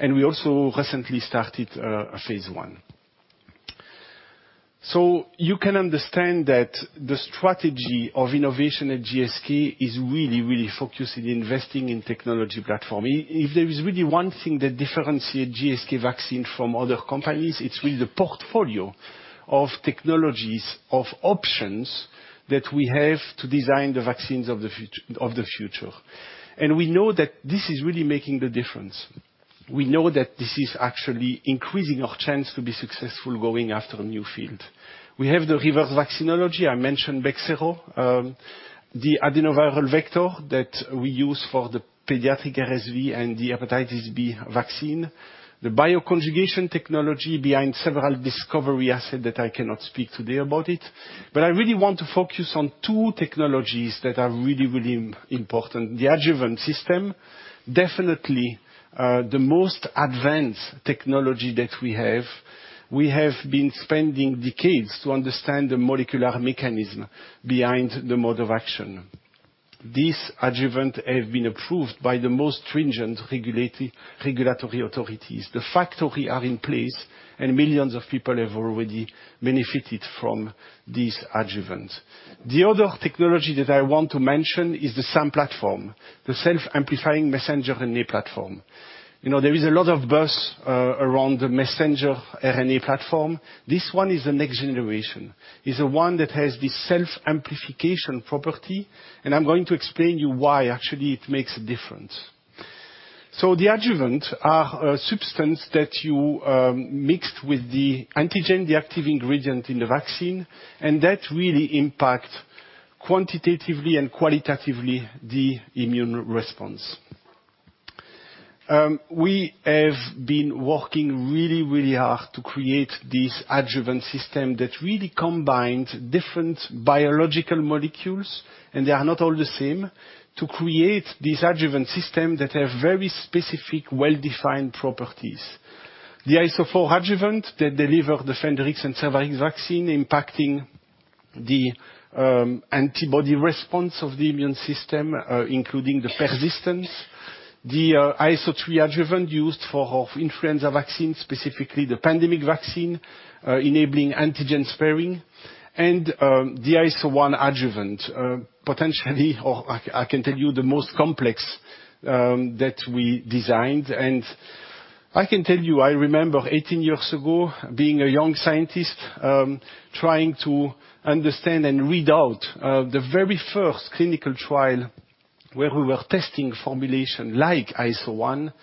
We also recently started a phase I. You can understand that the strategy of innovation at GSK is really focused in investing in technology platform. If there is really one thing that differentiate GSK vaccine from other companies, it's really the portfolio of technologies, of options that we have to design the vaccines of the future. We know that this is really making the difference. We know that this is actually increasing our chance to be successful going after a new field. We have the reverse vaccinology. I mentioned BEXSERO, the adenoviral vector that we use for the pediatric RSV and the hepatitis B vaccine, the bioconjugation technology behind several discovery asset that I cannot speak today about it. I really want to focus on two technologies that are really, really important. The adjuvant system, definitely, the most advanced technology that we have. We have been spending decades to understand the molecular mechanism behind the mode of action. These adjuvants have been approved by the most stringent regulatory authorities. The factory are in place, and millions of people have already benefited from these adjuvants. The other technology that I want to mention is the SAM platform, the self-amplifying messenger RNA platform. There is a lot of buzz around the messenger RNA platform. This one is the next generation. It is the one that has the self-amplification property, and I'm going to explain you why actually it makes a difference. The adjuvant are a substance that you mixed with the antigen, the active ingredient in the vaccine, and that really impact quantitatively and qualitatively the immune response. We have been working really hard to create this adjuvant system that really combines different biological molecules, and they are not all the same, to create this adjuvant system that have very specific, well-defined properties. The AS04 adjuvant that deliver the Fendrix and Cervarix vaccine impacting the antibody response of the immune system, including the persistence. The AS03 adjuvant used for influenza vaccine, specifically the pandemic vaccine, enabling antigen sparing, and the AS01 adjuvant, potentially, or I can tell you the most complex that we designed. I can tell you, I remember 18 years ago, being a young scientist, trying to understand and read out the very first clinical trial where we were testing formulation like AS01,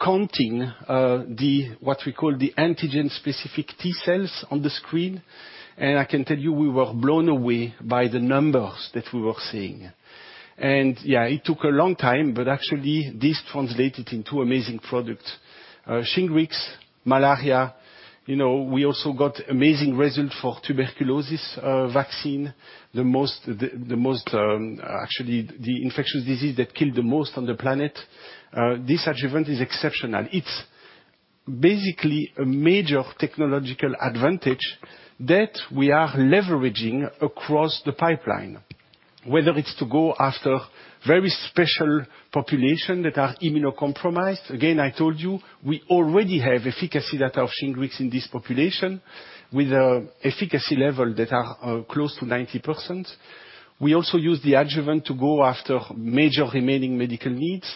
counting what we call the antigen specific T cells on the screen. I can tell you, we were blown away by the numbers that we were seeing. Yeah, it took a long time, but actually, this translated in two amazing products: SHINGRIX, malaria. We also got amazing results for tuberculosis vaccine, actually, the infectious disease that killed the most on the planet. This adjuvant is exceptional. It's basically a major technological advantage that we are leveraging across the pipeline, whether it's to go after very special populations that are immunocompromised. Again, I told you, we already have efficacy data of SHINGRIX in this population with efficacy levels that are close to 90%. We also use the adjuvant to go after major remaining medical needs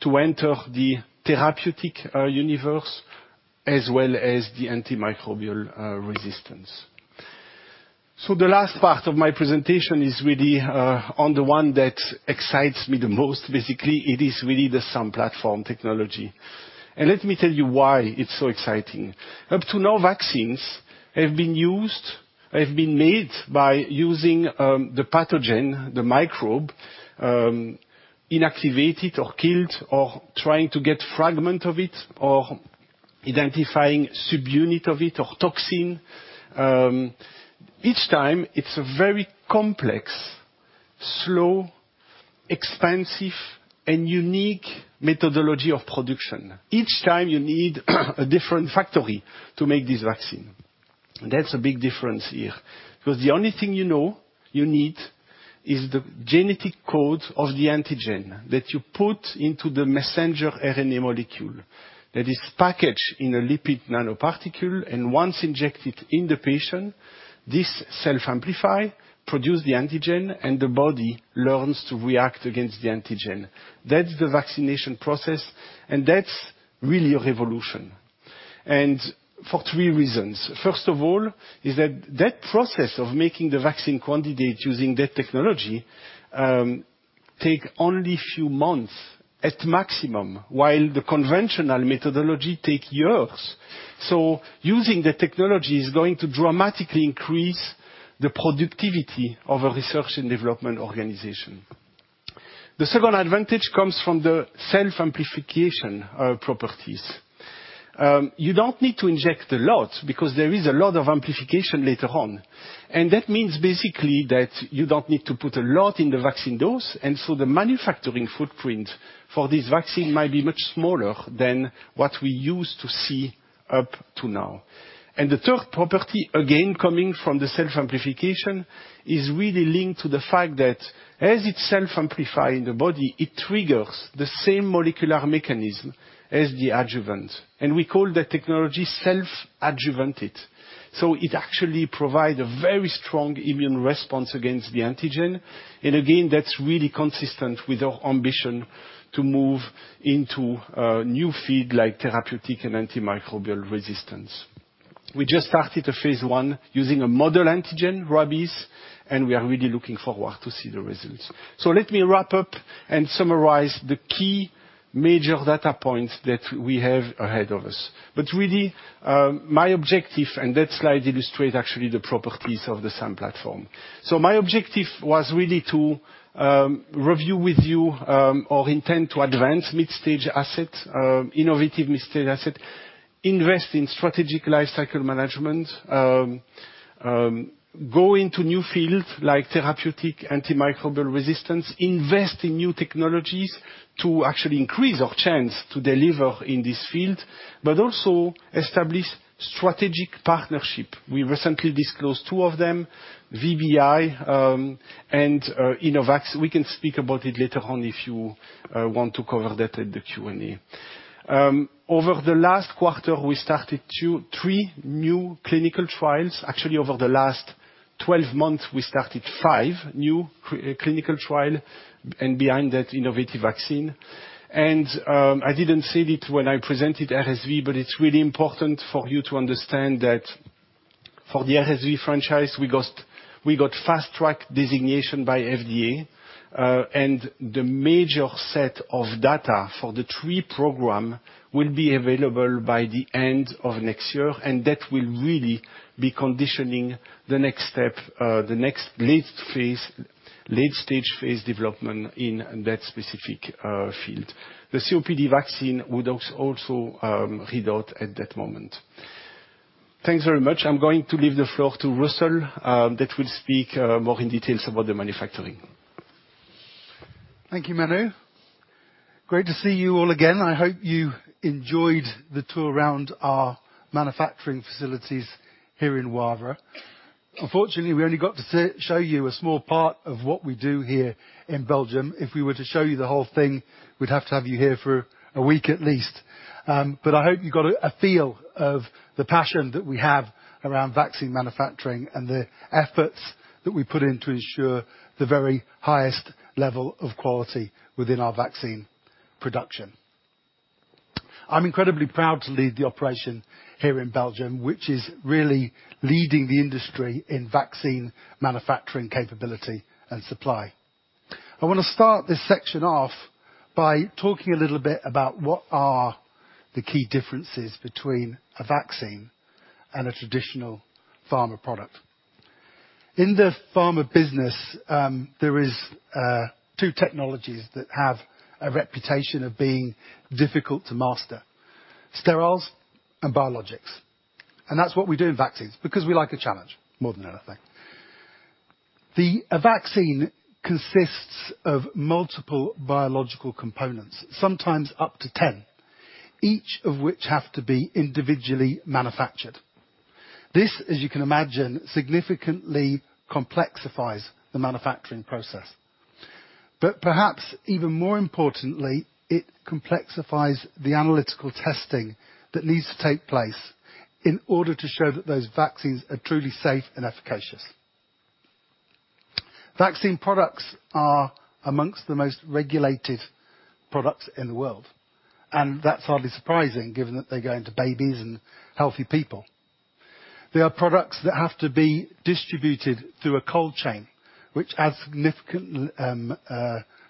to enter the therapeutic universe, as well as the antimicrobial resistance. The last part of my presentation is really on the one that excites me the most. Basically, it is really the SAM platform technology. Let me tell you why it's so exciting. Up to now, vaccines have been made by using the pathogen, the microbe, inactivated or killed or trying to get fragment of it or identifying subunit of it or toxin. Each time, it's a very complex, slow, expensive, and unique methodology of production. Each time you need a different factory to make this vaccine. That's a big difference here, because the only thing you know you need is the genetic code of the antigen that you put into the messenger RNA molecule that is packaged in a lipid nanoparticle. Once injected in the patient, this self-amplifies, produces the antigen, the body learns to react against the antigen. That's the vaccination process. That's really a revolution. For three reasons. First of all, is that the process of making the vaccine candidate using that technology, take only few months at maximum, while the conventional methodology take years. Using the technology is going to dramatically increase the productivity of a research and development organization. The second advantage comes from the self-amplification properties. You don't need to inject a lot because there is a lot of amplification later on. That means basically that you don't need to put a lot in the vaccine dose, so the manufacturing footprint for this vaccine might be much smaller than what we used to see up to now. The third property, again, coming from the self-amplification, is really linked to the fact that as it self-amplify in the body, it triggers the same molecular mechanism as the adjuvant. We call that technology self-adjuvanted. It actually provide a very strong immune response against the antigen. Again, that's really consistent with our ambition to move into a new field like therapeutic and antimicrobial resistance. We just started a phase I using a model antigen, rabies, and we are really looking forward to see the results. Let me wrap up and summarize the key major data points that we have ahead of us. Really, my objective, and that slide illustrate actually the properties of the SAM platform. My objective was really to review with you our intent to advance mid-stage asset, innovative mid-stage asset, invest in strategic life cycle management, go into new fields like therapeutic, antimicrobial resistance, invest in new technologies to actually increase our chance to deliver in this field, but also establish strategic partnership. We recently disclosed two of them, VBI, and Innovax. We can speak about it later on if you want to cover that at the Q&A. Over the last quarter, we started three new clinical trials. Actually, over the last 12 months, we started five new clinical trial, and behind that, innovative vaccine. I didn't say it when I presented RSV, but it's really important for you to understand that for the RSV franchise, we got Fast Track designation by FDA, and the major set of data for the three program will be available by the end of next year, and that will really be conditioning the next step, the next late-stage phase development in that specific field. The COPD vaccine would also read out at that moment. Thanks very much. I'm going to leave the floor to Russell, that will speak more in details about the manufacturing. Thank you, Manu. Great to see you all again. I hope you enjoyed the tour around our manufacturing facilities here in Wavre. Unfortunately, we only got to show you a small part of what we do here in Belgium. If we were to show you the whole thing, we'd have to have you here for a week at least. I hope you got a feel of the passion that we have around vaccine manufacturing and the efforts that we put in to ensure the very highest level of quality within our vaccine production. I'm incredibly proud to lead the operation here in Belgium, which is really leading the industry in vaccine manufacturing capability and supply. I want to start this section off by talking a little bit about what are the key differences between a vaccine and a traditional pharma product. In the pharma business, there is two technologies that have a reputation of being difficult to master, steriles and biologics. That's what we do in vaccines because we like a challenge more than anything. A vaccine consists of multiple biological components, sometimes up to 10, each of which have to be individually manufactured. This, as you can imagine, significantly complexifies the manufacturing process. Perhaps even more importantly, it complexifies the analytical testing that needs to take place in order to show that those vaccines are truly safe and efficacious. Vaccine products are amongst the most regulated products in the world, That's hardly surprising given that they go into babies and healthy people. They are products that have to be distributed through a cold chain, which adds significant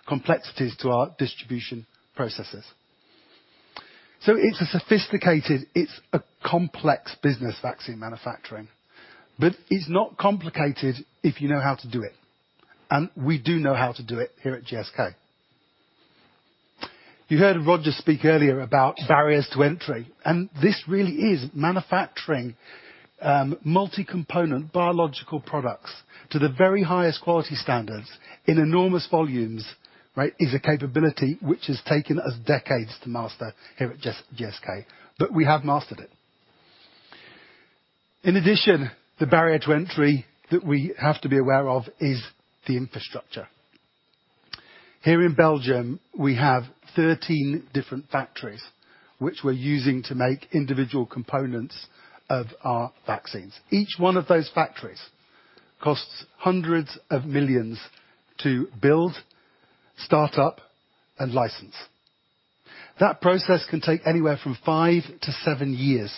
complexities to our distribution processes. It's a sophisticated, it's a complex business, vaccine manufacturing. It's not complicated if you know how to do it, and we do know how to do it here at GSK. You heard Roger speak earlier about barriers to entry, this really is manufacturing multi-component biological products to the very highest quality standards in enormous volumes, is a capability which has taken us decades to master here at GSK. We have mastered it. In addition, the barrier to entry that we have to be aware of is the infrastructure. Here in Belgium, we have 13 different factories, which we're using to make individual components of our vaccines. Each one of those factories costs hundreds of millions to build, start up and license. That process can take anywhere from five to seven years.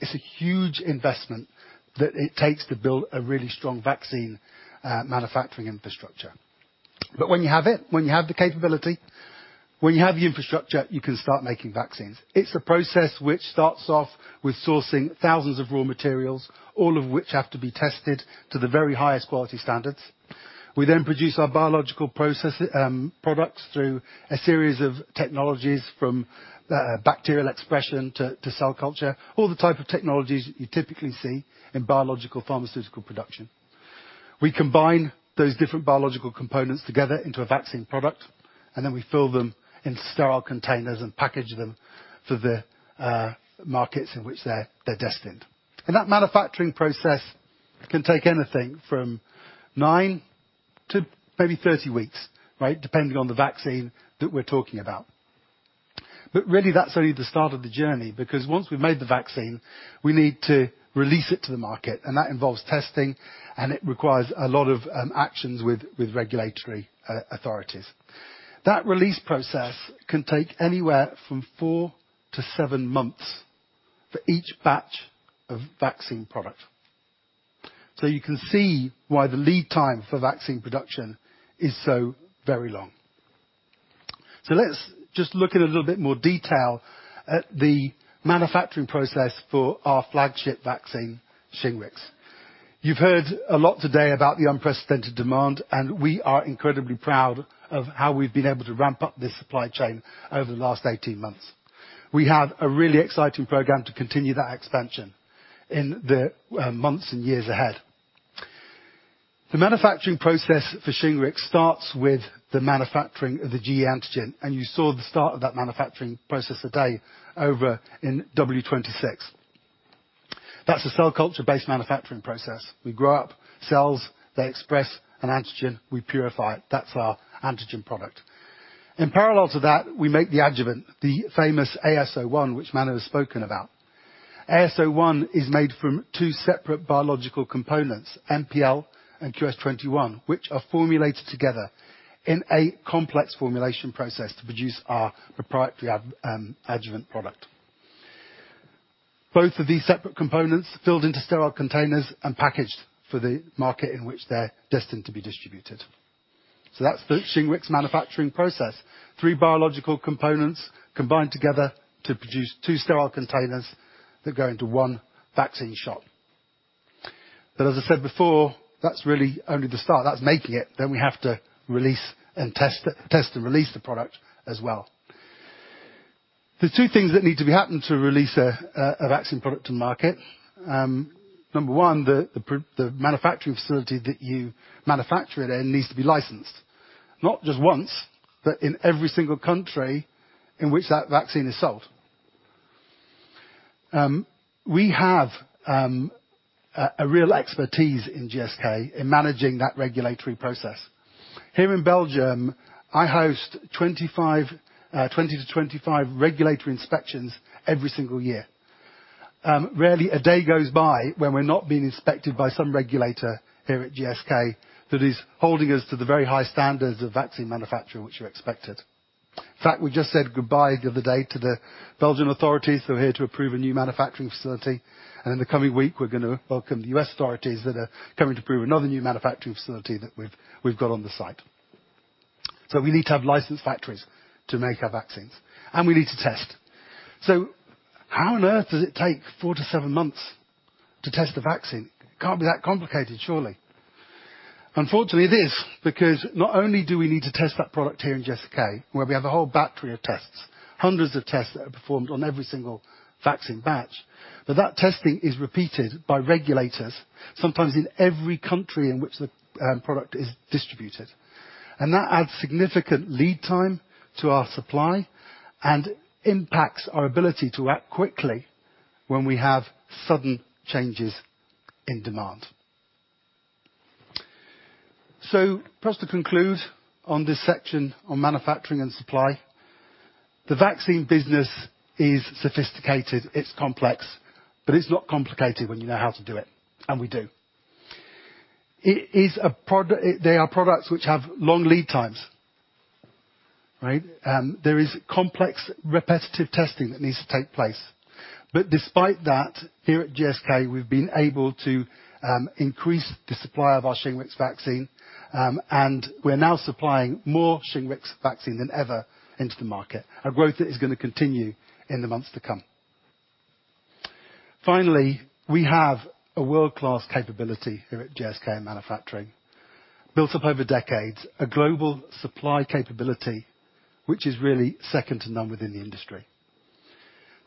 It's a huge investment that it takes to build a really strong vaccine manufacturing infrastructure. When you have it, when you have the capability, when you have the infrastructure, you can start making vaccines. It's a process which starts off with sourcing thousands of raw materials, all of which have to be tested to the very highest quality standards. We then produce our biological products through a series of technologies from bacterial expression to cell culture, all the type of technologies that you typically see in biological pharmaceutical production. We combine those different biological components together into a vaccine product, and then we fill them into sterile containers and package them for the markets in which they're destined. That manufacturing process can take anything from nine to maybe 30 weeks, depending on the vaccine that we're talking about. Really that's only the start of the journey, because once we've made the vaccine, we need to release it to the market, and that involves testing, and it requires a lot of actions with regulatory authorities. That release process can take anywhere from four to seven months for each batch of vaccine product. You can see why the lead time for vaccine production is so very long. Let's just look in a little bit more detail at the manufacturing process for our flagship vaccine, SHINGRIX. You've heard a lot today about the unprecedented demand, and we are incredibly proud of how we've been able to ramp up this supply chain over the last 18 months. We have a really exciting program to continue that expansion in the months and years ahead. The manufacturing process for SHINGRIX starts with the manufacturing of the gE antigen. You saw the start of that manufacturing process today over in W26. That's a cell culture-based manufacturing process. We grow up cells, they express an antigen, we purify it. That's our antigen product. In parallel to that, we make the adjuvant, the famous AS01, which Manu has spoken about. AS01 is made from two separate biological components, MPL and QS-21, which are formulated together in a complex formulation process to produce our proprietary adjuvant product. Both of these separate components are filled into sterile containers and packaged for the market in which they're destined to be distributed. That's the SHINGRIX manufacturing process. Three biological components combined together to produce two sterile containers that go into one vaccine shot. As I said before, that's really only the start. That's making it. We have to test and release the product as well. There's two things that need to happen to release a vaccine product to market. Number one, the manufacturing facility that you manufacture it in needs to be licensed, not just once, but in every single country in which that vaccine is sold. We have a real expertise in GSK in managing that regulatory process. Here in Belgium, I host 20-25 regulatory inspections every single year. Rarely a day goes by when we're not being inspected by some regulator here at GSK that is holding us to the very high standards of vaccine manufacturing which are expected. In fact, we just said goodbye the other day to the Belgian authorities who are here to approve a new manufacturing facility, and in the coming week, we're going to welcome the U.S. authorities that are coming to approve another new manufacturing facility that we've got on the site. We need to have licensed factories to make our vaccines, and we need to test. How on earth does it take four to seven months to test a vaccine? It can't be that complicated, surely. Unfortunately, it is, because not only do we need to test that product here in GSK, where we have a whole battery of tests, hundreds of tests that are performed on every single vaccine batch, but that testing is repeated by regulators, sometimes in every country in which the product is distributed. That adds significant lead time to our supply and impacts our ability to act quickly when we have sudden changes in demand. Just to conclude on this section on manufacturing and supply, the vaccine business is sophisticated, it's complex, but it's not complicated when you know how to do it, and we do. They are products which have long lead times. Right? There is complex, repetitive testing that needs to take place. Despite that, here at GSK, we've been able to increase the supply of our SHINGRIX vaccine, and we're now supplying more SHINGRIX vaccine than ever into the market. Our growth is going to continue in the months to come. We have a world-class capability here at GSK in manufacturing. Built up over decades, a global supply capability, which is really second to none within the industry.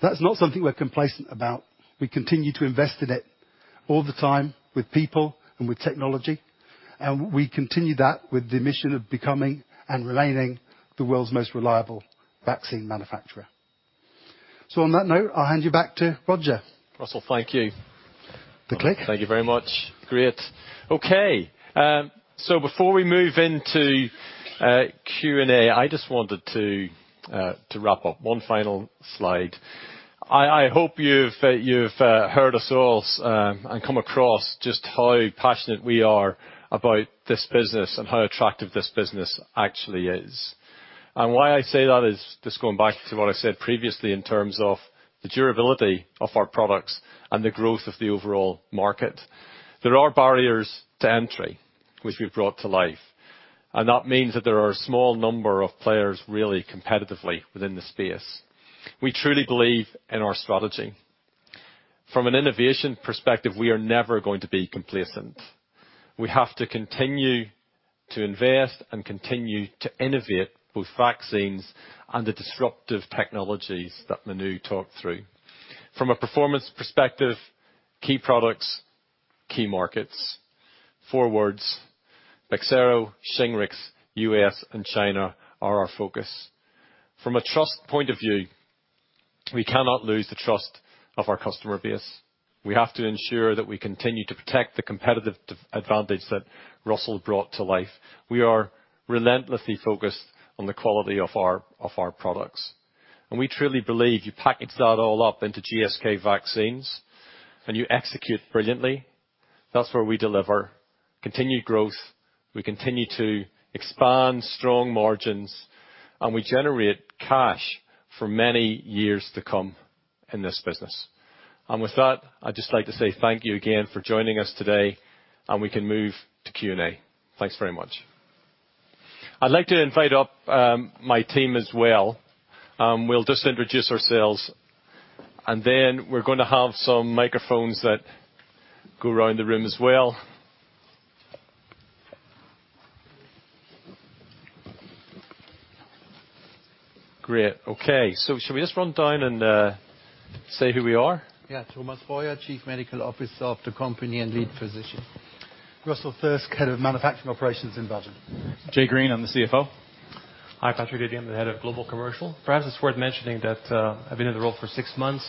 That's not something we're complacent about. We continue to invest in it all the time with people and with technology, we continue that with the mission of becoming and remaining the world's most reliable vaccine manufacturer. On that note, I'll hand you back to Roger. Russell, thank you. The click. Thank you very much. Great. Okay. Before we move into Q&A, I just wanted to wrap up one final slide. I hope you've heard us all and come across just how passionate we are about this business and how attractive this business actually is. Why I say that is just going back to what I said previously in terms of the durability of our products and the growth of the overall market. There are barriers to entry, which we've brought to life, and that means that there are a small number of players really competitively within the space. We truly believe in our strategy. From an innovation perspective, we are never going to be complacent. We have to continue to invest and continue to innovate both vaccines and the disruptive technologies that Manu talked through. From a performance perspective, key products, key markets. Four words: BEXSERO, SHINGRIX, U.S., and China are our focus. From a trust point of view, we cannot lose the trust of our customer base. We have to ensure that we continue to protect the competitive advantage that Russell brought to life. We are relentlessly focused on the quality of our products. We truly believe you package that all up into GSK Vaccines and you execute brilliantly, that's where we deliver continued growth, we continue to expand strong margins, and we generate cash for many years to come in this business. With that, I'd just like to say thank you again for joining us today, and we can move to Q&A. Thanks very much. I'd like to invite up my team as well. We'll just introduce ourselves, and then we're going to have some microphones that go around the room as well. Great. Okay. Shall we just run down and say who we are? Yeah. Thomas Boyer, Chief Medical Officer of the company and lead physician. Russell Thirsk, Head of Manufacturing Operations in Belgium. Jay Green, I'm the CFO. Hi. Patrick Gaillard. I'm the Head of Global Commercial. Perhaps it's worth mentioning that I've been in the role for six months.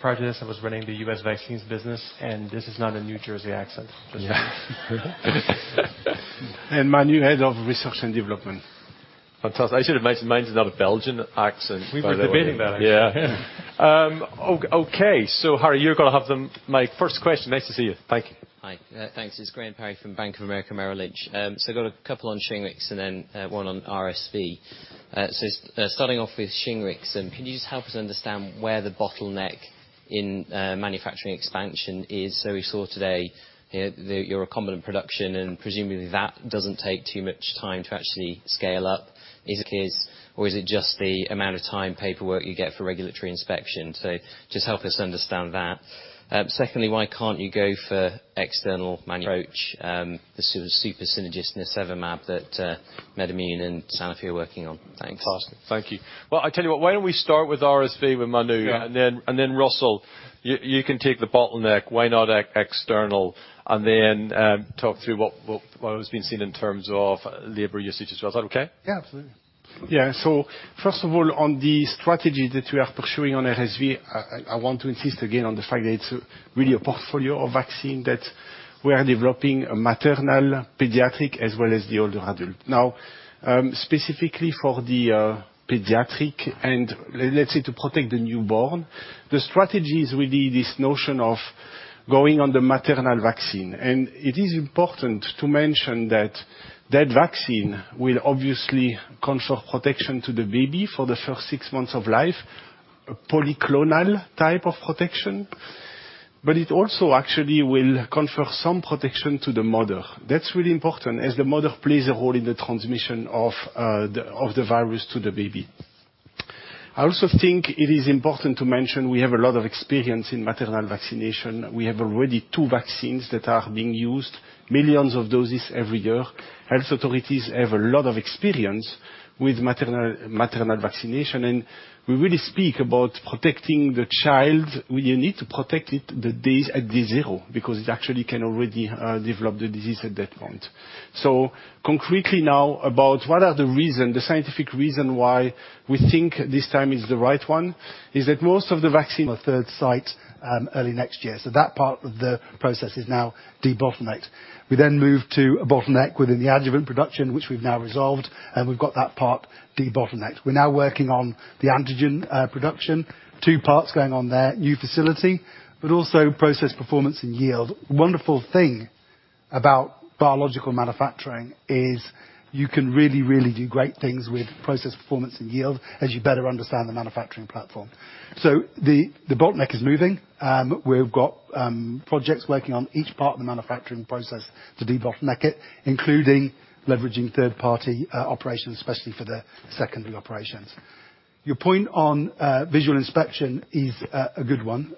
Prior to this, I was running the U.S. vaccines business, and this is not a New Jersey accent. Manu, Head of Research and Development. Fantastic. I should have mentioned, mine's not a Belgian accent. We were debating that, actually. Yeah. Okay. Graham, you're going to have my first question. Nice to see you. Thank you. Hi. Thanks. It is Graham Perry from Bank of America Merrill Lynch. Got a couple on Shingrix and then one on RSV. Starting off with Shingrix, can you just help us understand where the bottleneck in manufacturing expansion is? We saw today your recombinant production, and presumably that doesn't take too much time to actually scale up. Is it case or is it just the amount of time, paperwork you get for regulatory inspection? Just help us understand that. Secondly, why can't you go for external manual approach? The nirsevimab that MedImmune and Sanofi are working on. Thanks. Awesome. Thank you. Well, I tell you what, why don't we start with RSV with Manu? Yeah. Russell, you can take the bottleneck. Why not external and then talk through what has been seen in terms of labor usage as well. Is that okay? Absolutely. First of all, on the strategy that we are pursuing on RSV, I want to insist again on the fact that it's really a portfolio of vaccine, that we are developing a maternal pediatric as well as the older adult. Specifically for the pediatric and let's say to protect the newborn, the strategy is really this notion of going on the maternal vaccine. It is important to mention that that vaccine will obviously confer protection to the baby for the first six months of life. A polyclonal type of protection. It also actually will confer some protection to the mother. That's really important as the mother plays a role in the transmission of the virus to the baby. I also think it is important to mention we have a lot of experience in maternal vaccination. We have already two vaccines that are being used, millions of doses every year. Health authorities have a lot of experience with maternal vaccination, and we really speak about protecting the child. You need to protect it the days at day zero, because it actually can already develop the disease at that point. Concretely now about what are the reason, the scientific reason why we think this time is the right one, is that most of the a third site early next year. That part of the process is now debottlenecked. We move to a bottleneck within the adjuvant production, which we've now resolved, and we've got that part debottlenecked. We're now working on the antigen production. Two parts going on there, new facility, also process performance and yield. Wonderful thing about biological manufacturing is you can really, really do great things with process performance and yield as you better understand the manufacturing platform. The bottleneck is moving. We've got projects working on each part of the manufacturing process to debottleneck it, including leveraging third party operations, especially for the secondary operations. Your point on visual inspection is a good one.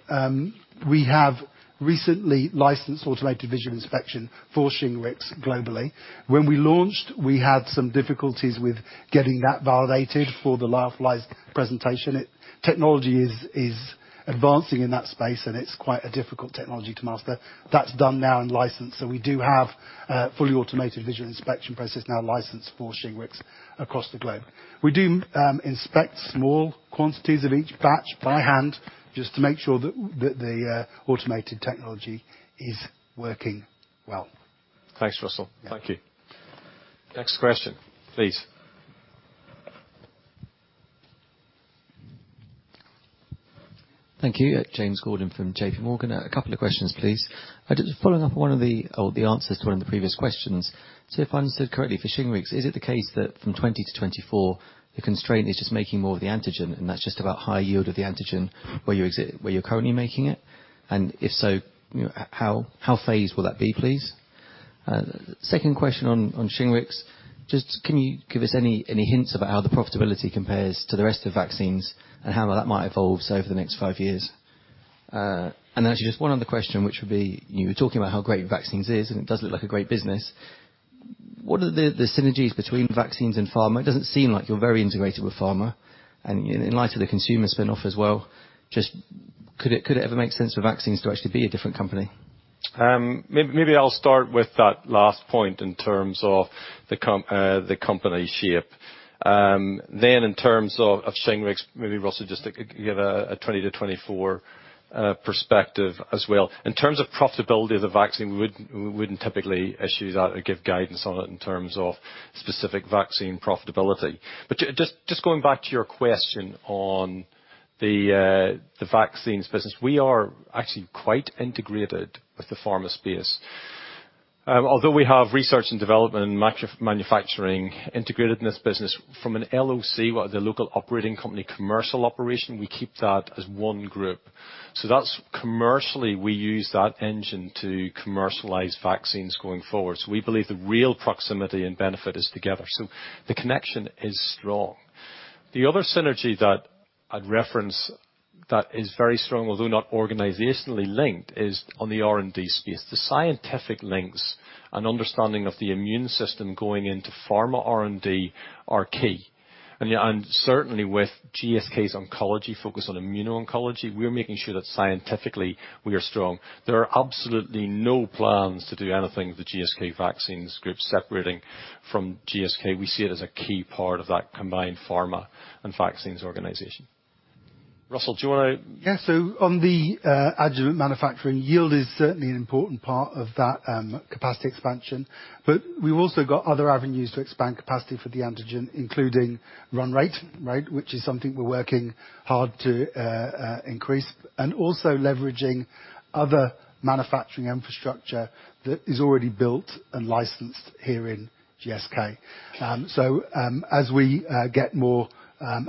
We have recently licensed automated visual inspection for SHINGRIX globally. When we launched, we had some difficulties with getting that validated for the lyophilized presentation. Technology is advancing in that space, and it's quite a difficult technology to master. That's done now and licensed. We do have a fully automated visual inspection process now licensed for SHINGRIX across the globe. We do inspect small quantities of each batch by hand, just to make sure that the automated technology is working well. Thanks, Russell. Yeah. Thank you. Next question please. Thank you. James Gordon from JPMorgan. A couple of questions, please. Following up one of the answers to one of the previous questions. If I understood correctly, for SHINGRIX, is it the case that from 2020 to 2024, the constraint is just making more of the antigen, and that's just about high yield of the antigen where you're currently making it? If so, how phased will that be, please? Second question on SHINGRIX. Can you give us any hints about how the profitability compares to the rest of vaccines and how that might evolve over the next five years? Actually, just one other question, which would be you were talking about how great vaccines is, and it does look like a great business. What are the synergies between vaccines and pharma? It doesn't seem like you're very integrated with pharma. In light of the Consumer spinoff as well, just could it ever make sense for Vaccines to actually be a different company? Maybe I'll start with that last point in terms of the company shape. In terms of SHINGRIX, maybe Russell just give a 2020-2024 perspective as well. In terms of profitability of the vaccine, we wouldn't typically issue that or give guidance on it in terms of specific vaccine profitability. Just going back to your question on the vaccines business. We are actually quite integrated with the pharma space. Although we have research and development and manufacturing integrated in this business, from an LOC, the Local Operating Company commercial operation, we keep that as one group. That's commercially, we use that engine to commercialize vaccines going forward. We believe the real proximity and benefit is together. The connection is strong. The other synergy that I'd reference that is very strong, although not organizationally linked, is on the R&D space. The scientific links and understanding of the immune system going into pharma R&D are key. Certainly with GSK's oncology focus on immuno-oncology, we're making sure that scientifically, we are strong. There are absolutely no plans to do anything with the GSK Vaccines group separating from GSK. We see it as a key part of that combined pharma and vaccines organization. Russell, do you want to- Yeah. On the adjuvant manufacturing, yield is certainly an important part of that capacity expansion. We've also got other avenues to expand capacity for the antigen, including run rate, which is something we're working hard to increase, and also leveraging other manufacturing infrastructure that is already built and licensed here in GSK. As we get more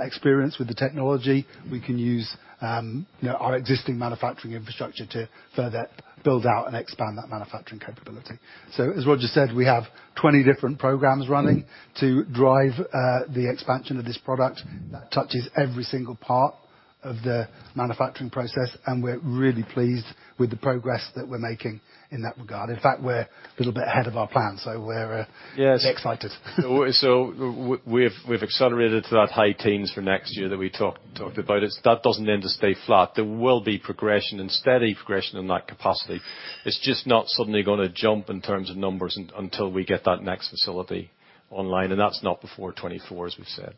experience with the technology, we can use our existing manufacturing infrastructure to further build out and expand that manufacturing capability. As Roger said, we have 20 different programs running to drive the expansion of this product that touches every single part of the manufacturing process, and we're really pleased with the progress that we're making in that regard. In fact, we're a little bit ahead of our plan. Yes excited. We've accelerated to that high teens for next year that we talked about. That doesn't then just stay flat. There will be progression and steady progression in that capacity. It's just not suddenly going to jump in terms of numbers until we get that next facility online, and that's not before 2024, as we've said.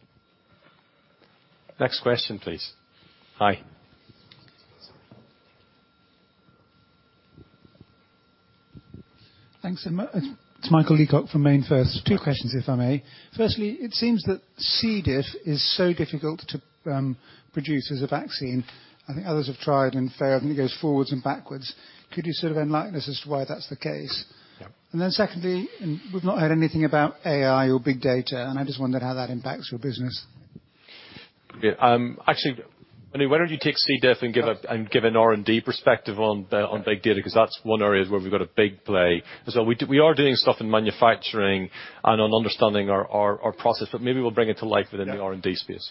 Next question, please. Hi. Thanks so much. It's Michael Leacock from MainFirst. Two questions, if I may. Firstly, it seems that C. diff is so difficult to produce as a vaccine. I think others have tried and failed, and it goes forwards and backwards. Could you sort of enlighten us as to why that's the case? Yeah. Secondly, we've not heard anything about AI or big data, and I just wondered how that impacts your business. Yeah. Actually, Manu, why don't you take C. diff and give an R&D perspective on big data? Because that's one area where we've got a big play. We are doing stuff in manufacturing and on understanding our process, but maybe we'll bring it to life within the R&D space.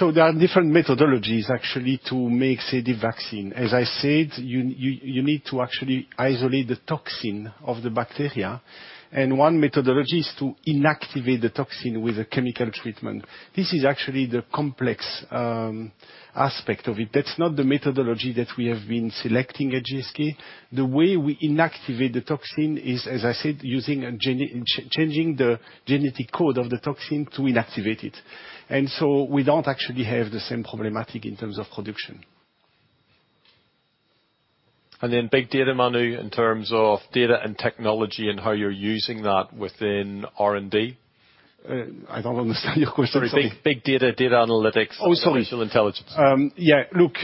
There are different methodologies actually, to make C. diff vaccine. As I said, you need to actually isolate the toxin of the bacteria, and one methodology is to inactivate the toxin with a chemical treatment. This is actually the complex aspect of it. That's not the methodology that we have been selecting at GSK. The way we inactivate the toxin is, as I said, changing the genetic code of the toxin to inactivate it. We don't actually have the same problematic in terms of production. Big data, Manu, in terms of data and technology and how you're using that within R&D. I don't understand your question, sorry. Big data analytics. Oh, sorry. artificial intelligence. Yeah. Look,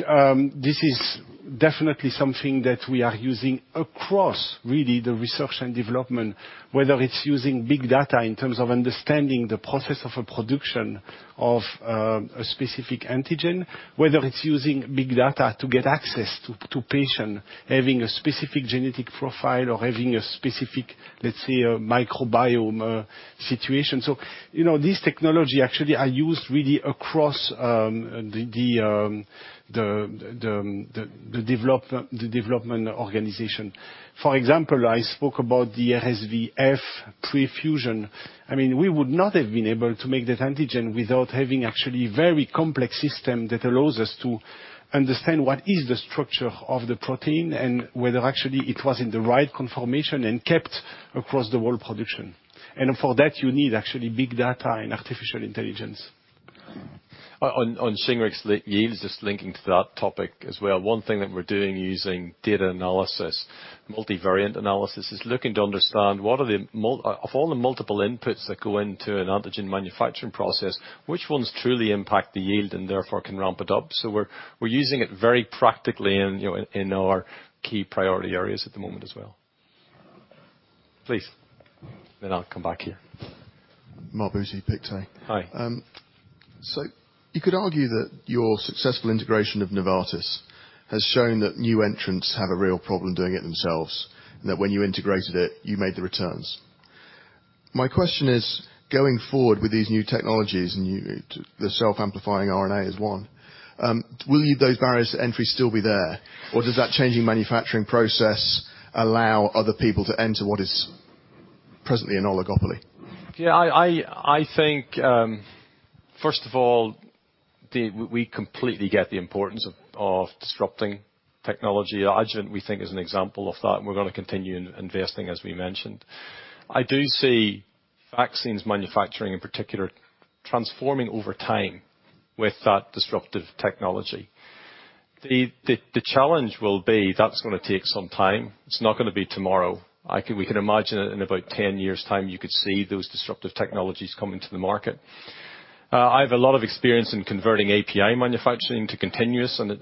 this is definitely something that we are using across really the research and development, whether it's using big data in terms of understanding the process of a production of a specific antigen, whether it's using big data to get access to patient having a specific genetic profile or having a specific, let's say, a microbiome situation. This technology actually are used really across the development organization. For example, I spoke about the RSV F prefusion. We would not have been able to make that antigen without having actually very complex system that allows us to understand what is the structure of the protein and whether actually it was in the right conformation and kept across the whole production. For that, you need actually big data and artificial intelligence. On Shingrix yield, just linking to that topic as well. One thing that we're doing using data analysis, multivariate analysis, is looking to understand of all the multiple inputs that go into an antigen manufacturing process, which ones truly impact the yield and therefore can ramp it up? We're using it very practically in our key priority areas at the moment as well. Please. I'll come back here. Marbuzi, Pictet. Hi. You could argue that your successful integration of Novartis has shown that new entrants have a real problem doing it themselves, and that when you integrated it, you made the returns. My question is, going forward with these new technologies, and the self-amplifying RNA is one, will those barriers to entry still be there? Or does that changing manufacturing process allow other people to enter what is presently an oligopoly? Yeah. I think, first of all, we completely get the importance of disrupting technology. Adjuvant, we think, is an example of that, and we're going to continue investing, as we mentioned. I do see vaccines manufacturing in particular transforming over time with that disruptive technology. The challenge will be that's going to take some time. It's not going to be tomorrow. We can imagine that in about 10 years' time, you could see those disruptive technologies come into the market. I have a lot of experience in converting API manufacturing to continuous, and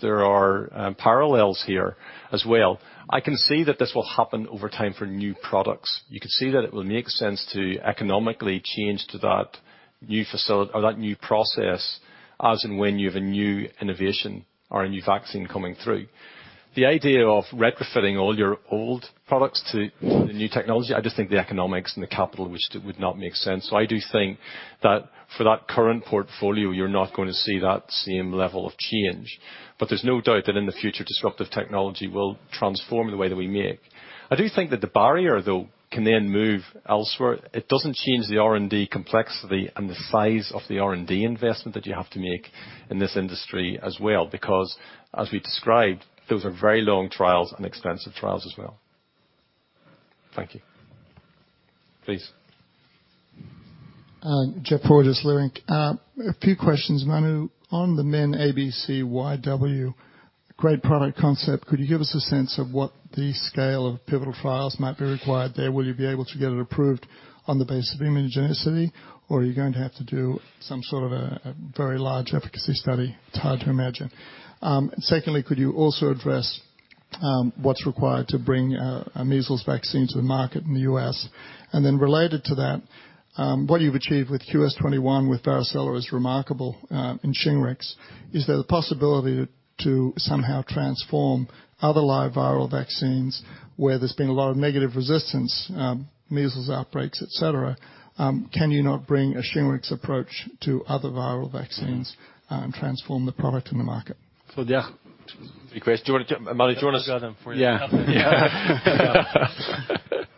there are parallels here as well. I can see that this will happen over time for new products. You could see that it will make sense to economically change to that new process as and when you have a new innovation or a new vaccine coming through. The idea of retrofitting all your old products to the new technology, I just think the economics and the capital would not make sense. I do think that for that current portfolio, you're not going to see that same level of change. There's no doubt that in the future, disruptive technology will transform the way that we make. I do think that the barrier, though, can then move elsewhere. It doesn't change the R&D complexity and the size of the R&D investment that you have to make in this industry as well. As we described, those are very long trials and expensive trials as well. Thank you. Please. Jeff Rogers, Leerink. A few questions. Manu, on the MenABCWY, great product concept. Could you give us a sense of what the scale of pivotal trials might be required there? Will you be able to get it approved on the basis of immunogenicity, or are you going to have to do some sort of a very large efficacy study? It's hard to imagine. Secondly, could you also address what's required to bring a measles vaccine to the market in the U.S.? Related to that, what you've achieved with QS21 with varicella is remarkable, and Shingrix. Is there the possibility to somehow transform other live viral vaccines where there's been a lot of negative resistance, measles outbreaks, et cetera? Can you not bring a Shingrix approach to other viral vaccines and transform the product in the market? Yeah. Three questions. Manu, do you want to. I've got them for you. Yeah.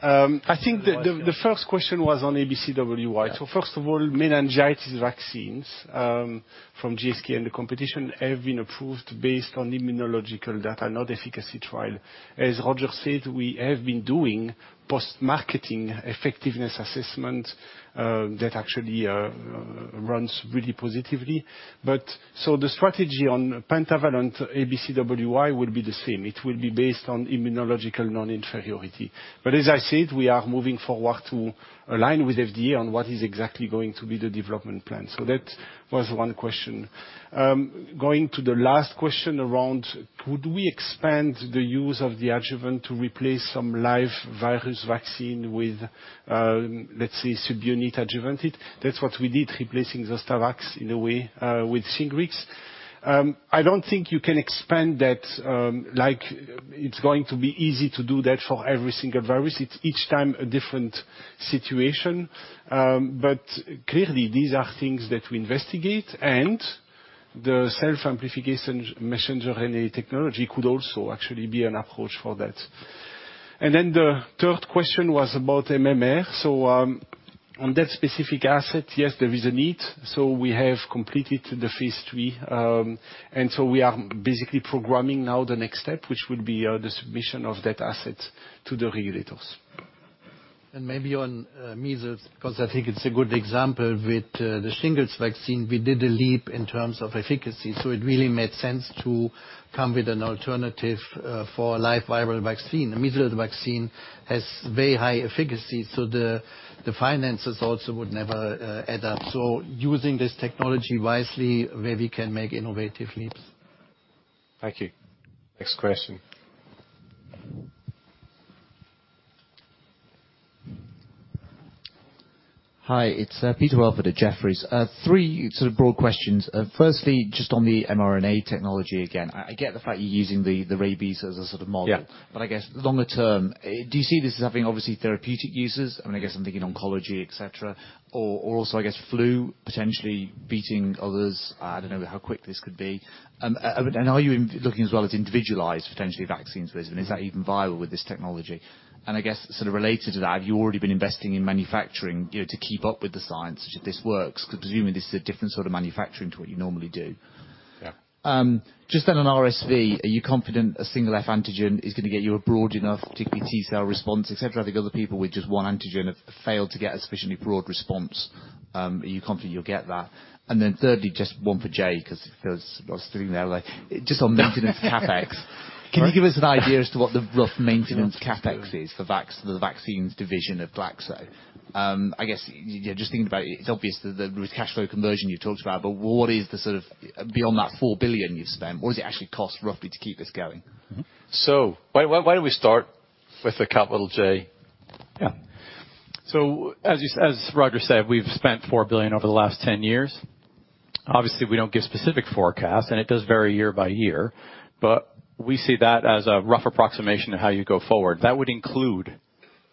I think the first question was on ABCWY. First of all, meningitis vaccines from GSK and the competition have been approved based on immunological data, not efficacy trial. As Roger said, we have been doing post-marketing effectiveness assessment that actually runs really positively. The strategy on pentavalent ABCWY will be the same. It will be based on immunological non-inferiority. As I said, we are moving forward to align with FDA on what is exactly going to be the development plan. That was one question. Going to the last question around could we expand the use of the adjuvant to replace some live virus vaccine with, let's say, subunit adjuvanted. That's what we did, replacing Zostavax in a way with Shingrix. I don't think you can expand that, like it's going to be easy to do that for every single virus. It's each time a different situation. Clearly, these are things that we investigate, and the self-amplification messenger RNA technology could also actually be an approach for that. The third question was about MMR. On that specific asset, yes, there is a need. We have completed the phase III, and so we are basically programming now the next step, which will be the submission of that asset to the regulators. Maybe on measles, because I think it's a good example with the shingles vaccine, we did a leap in terms of efficacy. It really made sense to come with an alternative for a live viral vaccine. A measles vaccine has very high efficacy, so the finances also would never add up. Using this technology wisely where we can make innovative leaps. Thank you. Next question. Hi, it's Peter Welford at Jefferies. Three sort of broad questions. Firstly, just on the mRNA technology again. I get the fact you're using the rabies as a sort of model. Yeah. I guess longer term, do you see this as having obviously therapeutic uses? I mean, I guess I'm thinking oncology, et cetera, or also, I guess flu potentially beating others? I don't know how quick this could be. Are you looking as well at individualized, potentially vaccines, and is that even viable with this technology? I guess sort of related to that, have you already been investing in manufacturing to keep up with the science, should this work? Because presumably this is a different sort of manufacturing to what you normally do. Yeah. On RSV, are you confident a single F antigen is going to get you a broad enough particularly T-cell response, et cetera? I think other people with just 1 antigen have failed to get a sufficiently broad response. Are you confident you'll get that? Thirdly, just one for Jay, because I was sitting there like, just on maintenance CapEx. Can you give us an idea as to what the rough maintenance CapEx is for the vaccines division of GSK? I guess, just thinking about it's obvious that with cash flow conversion you've talked about, but what is the sort of beyond that 4 billion you've spent, what does it actually cost roughly to keep this going? Why don't we start with the capital J? As Roger said, we've spent 4 billion over the last 10 years. Obviously, we don't give specific forecasts, and it does vary year by year. We see that as a rough approximation of how you go forward. That would include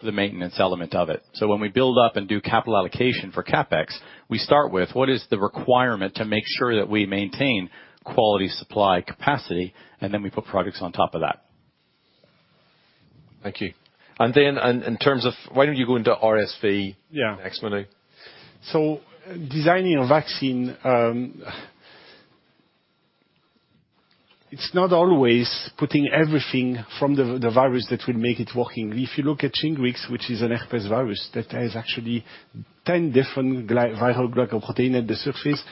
the maintenance element of it. When we build up and do capital allocation for CapEx, we start with what is the requirement to make sure that we maintain quality supply capacity, and then we put products on top of that. Thank you. In terms of Why don't you go into RSV. Yeah next, Manu? Designing a vaccine, it is not always putting everything from the virus that will make it working. If you look at SHINGRIX, which is an herpes virus that has actually 10 different viral glycoprotein at the surface,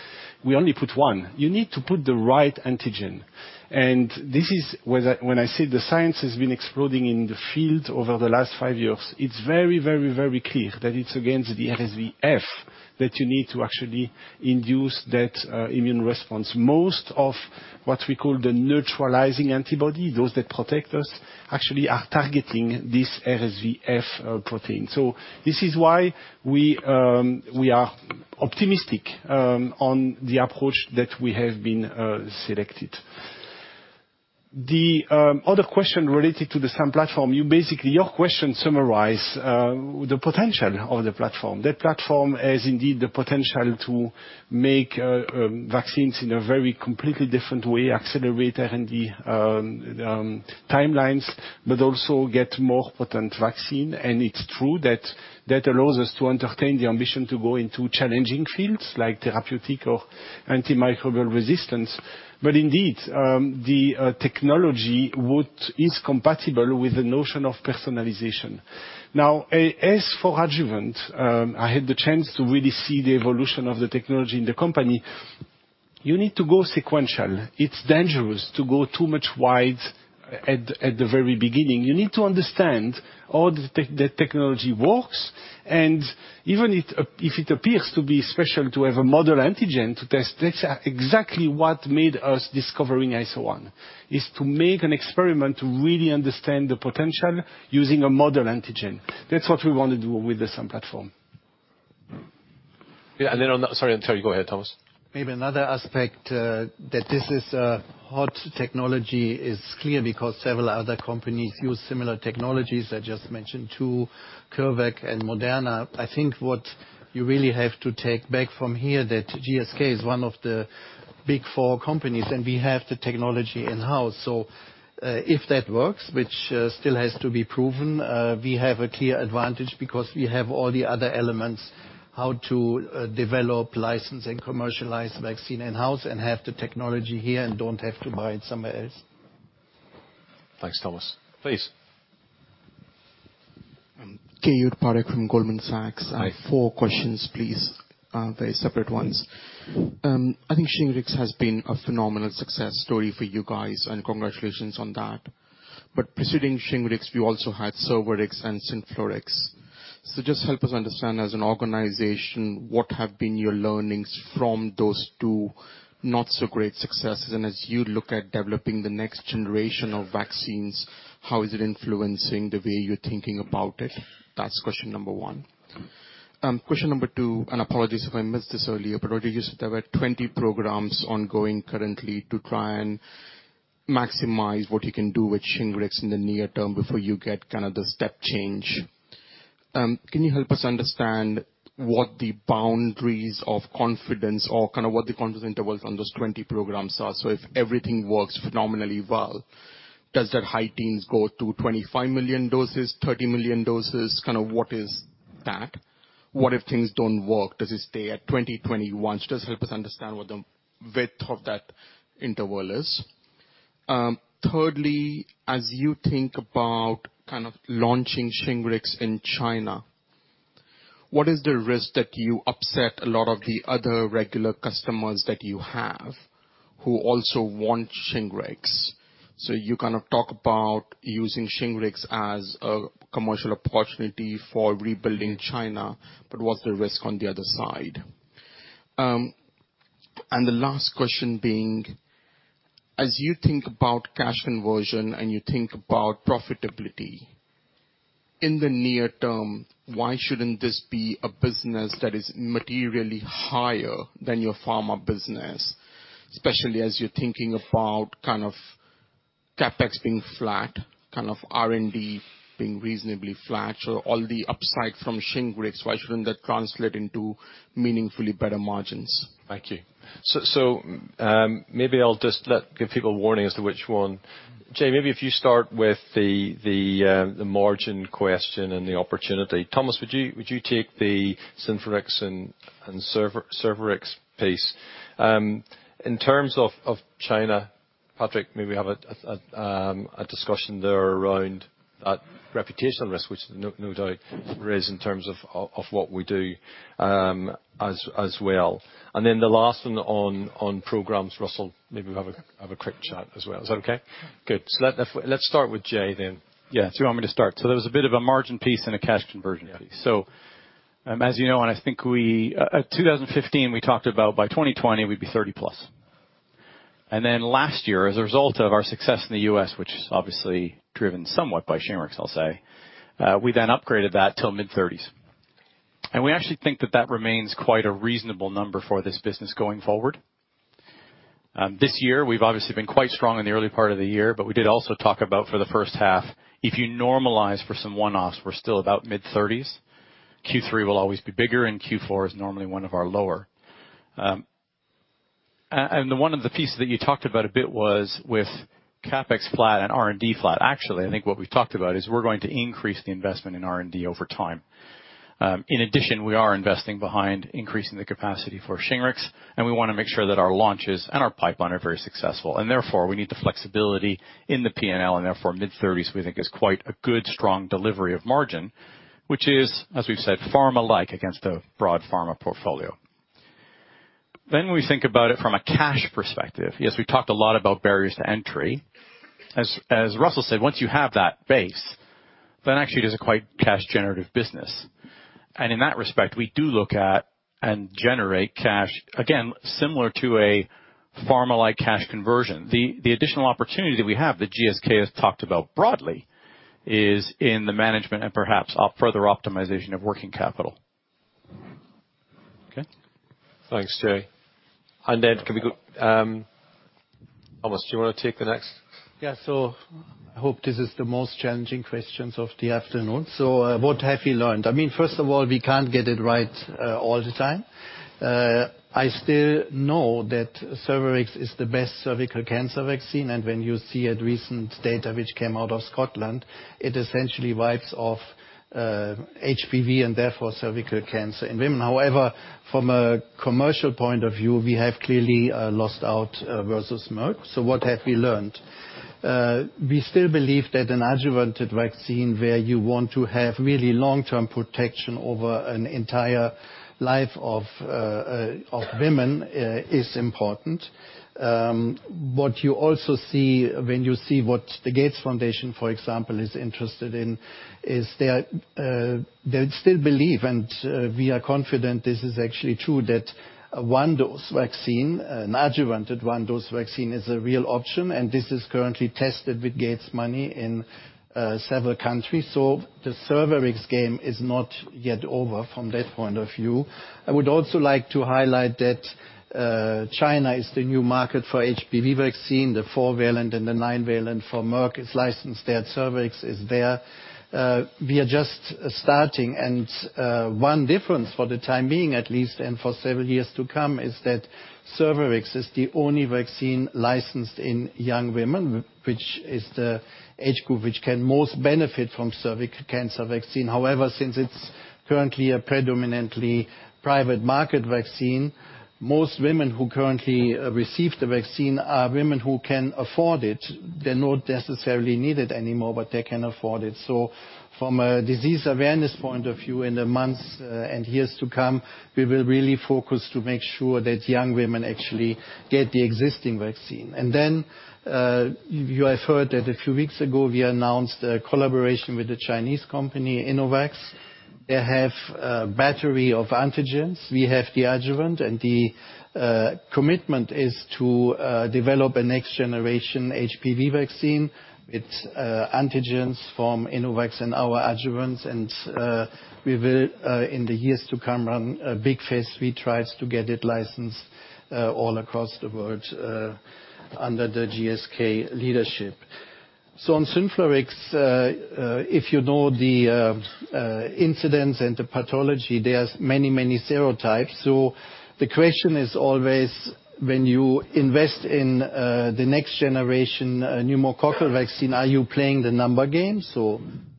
we only put one. You need to put the right antigen. This is when I say the science has been exploding in the field over the last five years. It is very, very, very clear that it is against the RSV F that you need to actually induce that immune response. Most of what we call the neutralizing antibody, those that protect us, actually are targeting this RSV F protein. This is why we are optimistic on the approach that we have been selected. The other question related to the SAM platform. Basically, your question summarize the potential of the platform. That platform has indeed the potential to make vaccines in a very completely different way, accelerate R&D timelines, but also get more potent vaccine. It's true that allows us to entertain the ambition to go into challenging fields like therapeutic or antimicrobial resistance. Indeed, the technology is compatible with the notion of personalization. Now, as for adjuvant, I had the chance to really see the evolution of the technology in the company. You need to go sequential. It's dangerous to go too much wide at the very beginning. You need to understand how the technology works, and even if it appears to be special to have a model antigen to test, that's exactly what made us discovering AS01, is to make an experiment to really understand the potential using a model antigen. That's what we want to do with the SAM platform. Yeah. On that Sorry, go ahead, Thomas. Maybe another aspect that this is a hot technology is clear because several other companies use similar technologies. I just mentioned two, CureVac and Moderna. I think what you really have to take back from here that GSK is one of the big four companies, and we have the technology in-house. If that works, which still has to be proven, we have a clear advantage because we have all the other elements, how to develop license and commercialize vaccine in-house and have the technology here and don't have to buy it somewhere else. Thanks, Thomas. Please. I'm from Goldman Sachs. I have four questions, please. They're separate ones. I think Shingrix has been a phenomenal success story for you guys, and congratulations on that. Preceding Shingrix, we also had Cervarix and Synflorix. Just help us understand, as an organization, what have been your learnings from those two not-so-great successes, and as you look at developing the next generation of vaccines, how is it influencing the way you're thinking about it? That's question number one. Question number two, apologies if I missed this earlier, Roger just said there were 20 programs ongoing currently to try and maximize what you can do with Shingrix in the near term before you get the step change. Can you help us understand what the boundaries of confidence or what the confidence intervals on those 20 programs are? If everything works phenomenally well, does that high teens go to 25 million doses, 30 million doses? Kind of what is that? What if things don't work? Does it stay at 2021? Just help us understand what the width of that interval is. Thirdly, as you think about launching SHINGRIX in China, what is the risk that you upset a lot of the other regular customers that you have who also want SHINGRIX? You talk about using SHINGRIX as a commercial opportunity for rebuilding China, but what's the risk on the other side? The last question being, as you think about cash conversion and you think about profitability, in the near term, why shouldn't this be a business that is materially higher than your pharma business, especially as you're thinking about CapEx being flat, R&D being reasonably flat. All the upside from SHINGRIX, why shouldn't that translate into meaningfully better margins? Thank you. Maybe I'll just give people a warning as to which one. Jay, maybe if you start with the margin question and the opportunity. Thomas, would you take the Synflorix and Cervarix piece? In terms of China, Patrick, maybe have a discussion there around reputational risk, which no doubt raised in terms of what we do as well. The last one on programs, Russell, maybe we'll have a quick chat as well. Is that okay? Good. Let's start with Jay then. Yeah. You want me to start? There was a bit of a margin piece and a cash conversion piece. Yeah. As you know, 2015, we talked about by 2020, we'd be 30-plus. Last year, as a result of our success in the U.S., which is obviously driven somewhat by SHINGRIX, I'll say, we then upgraded that till mid-30s. We actually think that that remains quite a reasonable number for this business going forward. This year, we've obviously been quite strong in the early part of the year, but we did also talk about for the first half. If you normalize for some one-offs, we're still about mid-30s. Q3 will always be bigger, and Q4 is normally one of our lower. One of the pieces that you talked about a bit was with CapEx flat and R&D flat. Actually, I think what we've talked about is we're going to increase the investment in R&D over time. In addition, we are investing behind increasing the capacity for SHINGRIX, we want to make sure that our launches and our pipeline are very successful. Therefore, we need the flexibility in the P&L, therefore mid-30s we think is quite a good, strong delivery of margin, which is, as we've said, pharma-like against a broad pharma portfolio. We think about it from a cash perspective. Yes, we talked a lot about barriers to entry. As Russell said, once you have that base, then actually it is a quite cash generative business. In that respect, we do look at and generate cash, again, similar to a pharma-like cash conversion. The additional opportunity that we have that GSK has talked about broadly is in the management and perhaps further optimization of working capital Okay. Thanks, Jay. Can we go, Thomas, do you want to take the next? I hope this is the most challenging questions of the afternoon. What have we learned? First of all, we can't get it right all the time. I still know that Cervarix is the best cervical cancer vaccine, and when you see a recent data which came out of Scotland, it essentially wipes off HPV and therefore cervical cancer in women. However, from a commercial point of view, we have clearly lost out versus Merck. What have we learned? We still believe that an adjuvanted vaccine where you want to have really long-term protection over an entire life of women, is important. What you also see when you see what the Gates Foundation, for example, is interested in, is they still believe, and we are confident this is actually true, that a one-dose vaccine, an adjuvanted one-dose vaccine is a real option, and this is currently tested with Gates' money in several countries. The Cervarix game is not yet over from that point of view. I would also like to highlight that China is the new market for HPV vaccine. The 4-valent and the 9-valent from Merck is licensed there. Cervarix is there. We are just starting and one difference for the time being, at least, and for several years to come, is that Cervarix is the only vaccine licensed in young women, which is the age group which can most benefit from cervical cancer vaccine. Since it's currently a predominantly private market vaccine, most women who currently receive the vaccine are women who can afford it. They're not necessarily need it anymore, they can afford it. From a disease awareness point of view in the months and years to come, we will really focus to make sure that young women actually get the existing vaccine. You have heard that a few weeks ago, we announced a collaboration with the Chinese company, Innovax. They have a battery of antigens. We have the adjuvant and the commitment is to develop a next generation HPV vaccine with antigens from Innovax and our adjuvants. We will, in the years to come, run a big phase III trials to get it licensed all across the world, under the GSK leadership. On Synflorix, if you know the incidence and the pathology, there's many serotypes. The question is always when you invest in the next generation pneumococcal vaccine, are you playing the number game?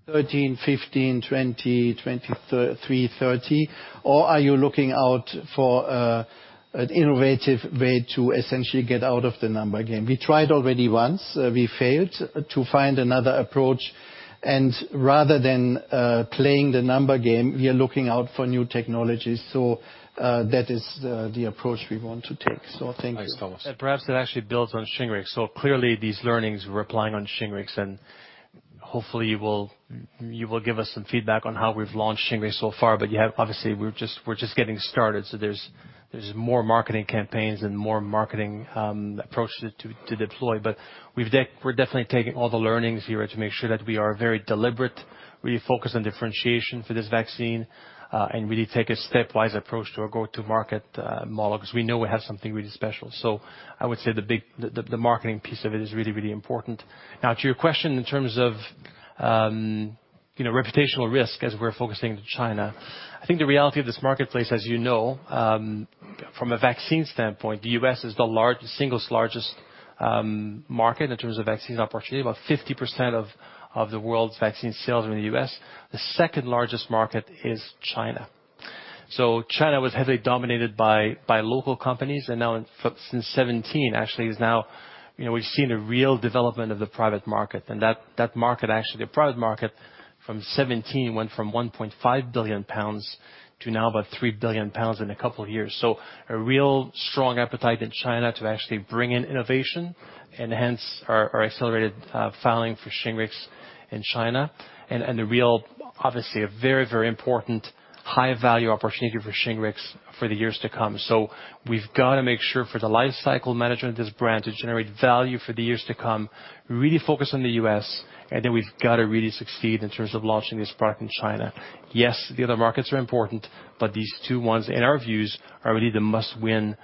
13, 15, 20, 23, 30 or are you looking out for an innovative way to essentially get out of the number game? We tried already once. We failed to find another approach and rather than playing the number game, we are looking out for new technologies. That is the approach we want to take. Thank you. Thanks, Thomas. Perhaps it actually builds on SHINGRIX. Clearly these learnings we're applying on SHINGRIX and hopefully you will give us some feedback on how we've launched SHINGRIX so far. Obviously, we're just getting started. There's more marketing campaigns and more marketing approaches to deploy. We're definitely taking all the learnings here to make sure that we are very deliberate, really focused on differentiation for this vaccine, and really take a stepwise approach to our go-to market model, because we know we have something really special. I would say the marketing piece of it is really, really important. Now, to your question in terms of reputational risk as we're focusing on China. I think the reality of this marketplace, as you know, from a vaccine standpoint, the U.S. is the single largest market in terms of vaccine opportunity. About 50% of the world's vaccine sales are in the U.S. The second largest market is China. China was heavily dominated by local companies. Now since 2017 actually, we've seen a real development of the private market and that market, actually, the private market from 2017 went from 1.5 billion pounds to now about 3 billion pounds in a couple of years. A real strong appetite in China to actually bring in innovation and hence our accelerated filing for Shingrix in China. A real, obviously a very, very important high-value opportunity for Shingrix for the years to come. We've got to make sure for the life cycle management of this brand to generate value for the years to come, really focus on the U.S., and then we've got to really succeed in terms of launching this product in China. Yes, the other markets are important, but these two ones, in our views, are really the must-win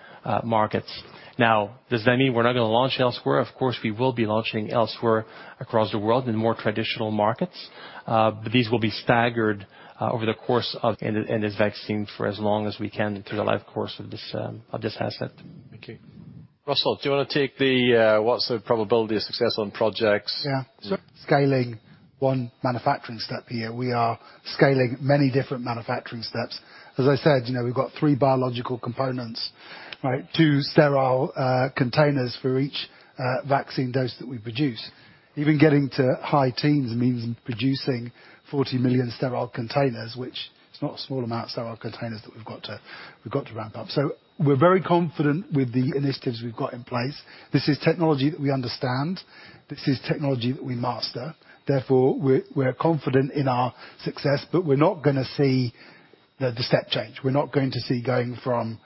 markets. Now, does that mean we're not going to launch elsewhere? Of course, we will be launching elsewhere across the world in more traditional markets. These will be staggered over the course of this vaccine for as long as we can through the life course of this asset. Thank you. Russell, do you want to take what's the probability of success on projects? Scaling one manufacturing step here. We are scaling many different manufacturing steps. As I said, we've got three biological components, right? Two sterile containers for each vaccine dose that we produce. Even getting to high teens means producing 40 million sterile containers, which is not a small amount of sterile containers that we've got to ramp up. We're very confident with the initiatives we've got in place. This is technology that we understand. This is technology that we master. Therefore, we're confident in our success, we're not going to see the step change. We're not going to see going from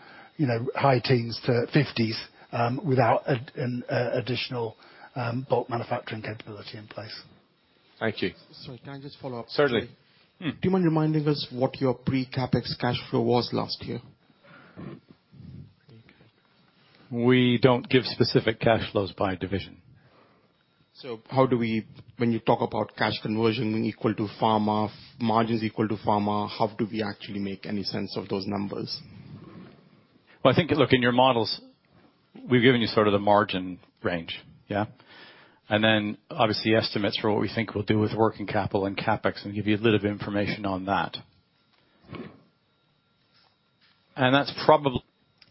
high teens to 50s, without an additional bulk manufacturing capability in place. Thank you. Sorry, can I just follow up? Certainly. Mm-hmm. Do you mind reminding us what your pre-CapEx cash flow was last year? We don't give specific cash flows by division. How do we, when you talk about cash conversion equal to pharma, margins equal to pharma, how do we actually make any sense of those numbers? Well, I think, look, in your models, we've given you sort of the margin range. Yeah. Then, obviously, estimates for what we think we'll do with working capital and CapEx, and give you a little bit of information on that. That's probably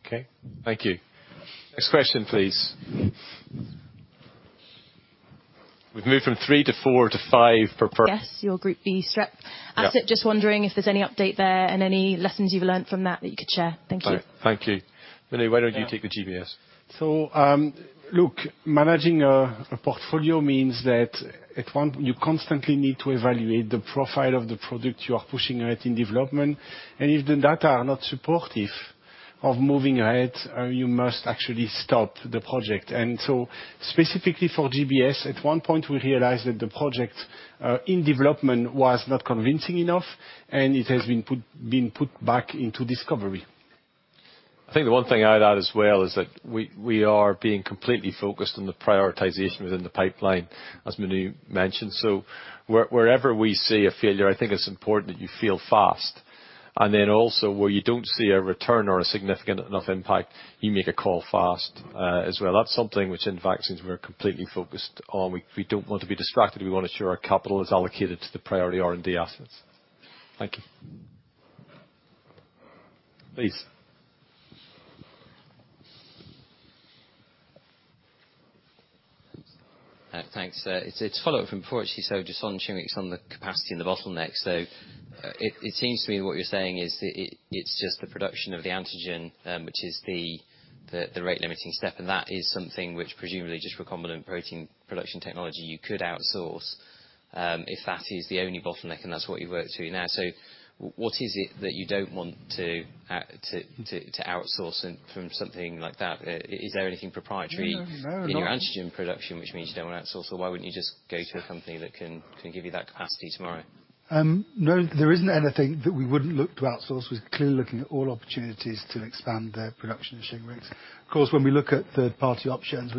Okay. Thank you. Next question, please. We've moved from three to four to five per person. Yes. Your Group B streptococcus asset. Yeah. Just wondering if there's any update there and any lessons you've learned from that you could share. Thank you. All right. Thank you. Manu, why don't you take the GBS? Look, managing a portfolio means that you constantly need to evaluate the profile of the product you are pushing out in development. If the data are not supportive of moving ahead, you must actually stop the project. Specifically for GBS, at one point we realized that the project, in development, was not convincing enough, and it has been put back into discovery. I think the one thing I'd add as well is that we are being completely focused on the prioritization within the pipeline, as Manu mentioned. Wherever we see a failure, I think it's important that you fail fast. Also, where you don't see a return or a significant enough impact, you make a call fast, as well. That's something which in vaccines we're completely focused on. We don't want to be distracted. We want to ensure our capital is allocated to the priority R&D assets. Thank you. Please. Thanks. It's a follow-up from before, actually. Just on Shingrix, on the capacity and the bottleneck. It seems to me what you're saying is it's just the production of the antigen which is the rate limiting step, and that is something which presumably just recombinant protein production technology you could outsource, if that is the only bottleneck, and that's what you've worked through now. What is it that you don't want to outsource from something like that? Is there anything proprietary? No. In your antigen production which means you don't want to outsource? Why wouldn't you just go to a company that can give you that capacity tomorrow? No, there isn't anything that we wouldn't look to outsource. We're clearly looking at all opportunities to expand the production of SHINGRIX. Of course, when we look at third-party options,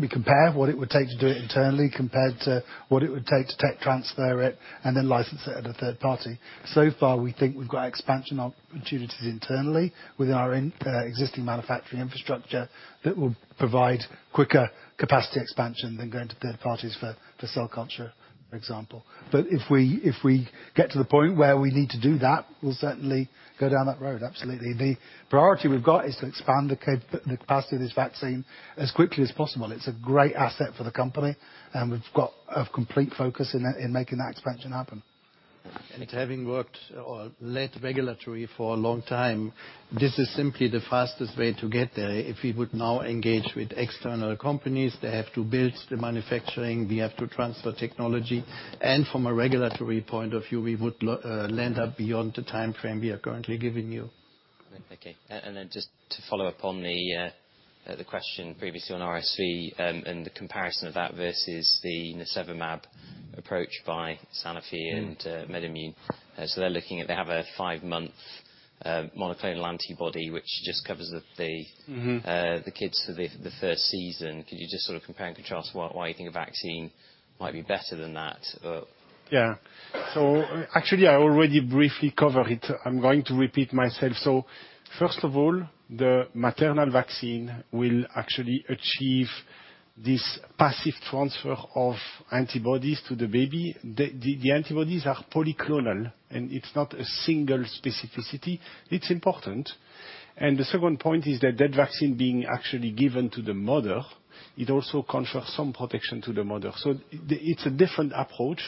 we compare what it would take to do it internally compared to what it would take to tech transfer it and then license it at a third party. So far, we think we've got expansion opportunities internally with our existing manufacturing infrastructure that will provide quicker capacity expansion than going to third parties for cell culture, for example. If we get to the point where we need to do that, we'll certainly go down that road. Absolutely. The priority we've got is to expand the capacity of this vaccine as quickly as possible. It's a great asset for the company, and we've got a complete focus in making that expansion happen. Having worked or led regulatory for a long time, this is simply the fastest way to get there. If we would now engage with external companies, they have to build the manufacturing. We have to transfer technology. From a regulatory point of view, we would land up beyond the timeframe we are currently giving you. Okay. Just to follow up on the question previously on RSV, and the comparison of that versus the nirsevimab approach by Sanofi and MedImmune. They have a five-month monoclonal antibody, which just covers the. kids for the first season. Could you just sort of compare and contrast why you think a vaccine might be better than that? Yeah. Actually, I already briefly covered it. I'm going to repeat myself. First of all, the maternal vaccine will actually achieve this passive transfer of antibodies to the baby. The antibodies are polyclonal, and it's not a single specificity. It's important. The second point is that that vaccine being actually given to the mother, it also confers some protection to the mother. It's a different approach.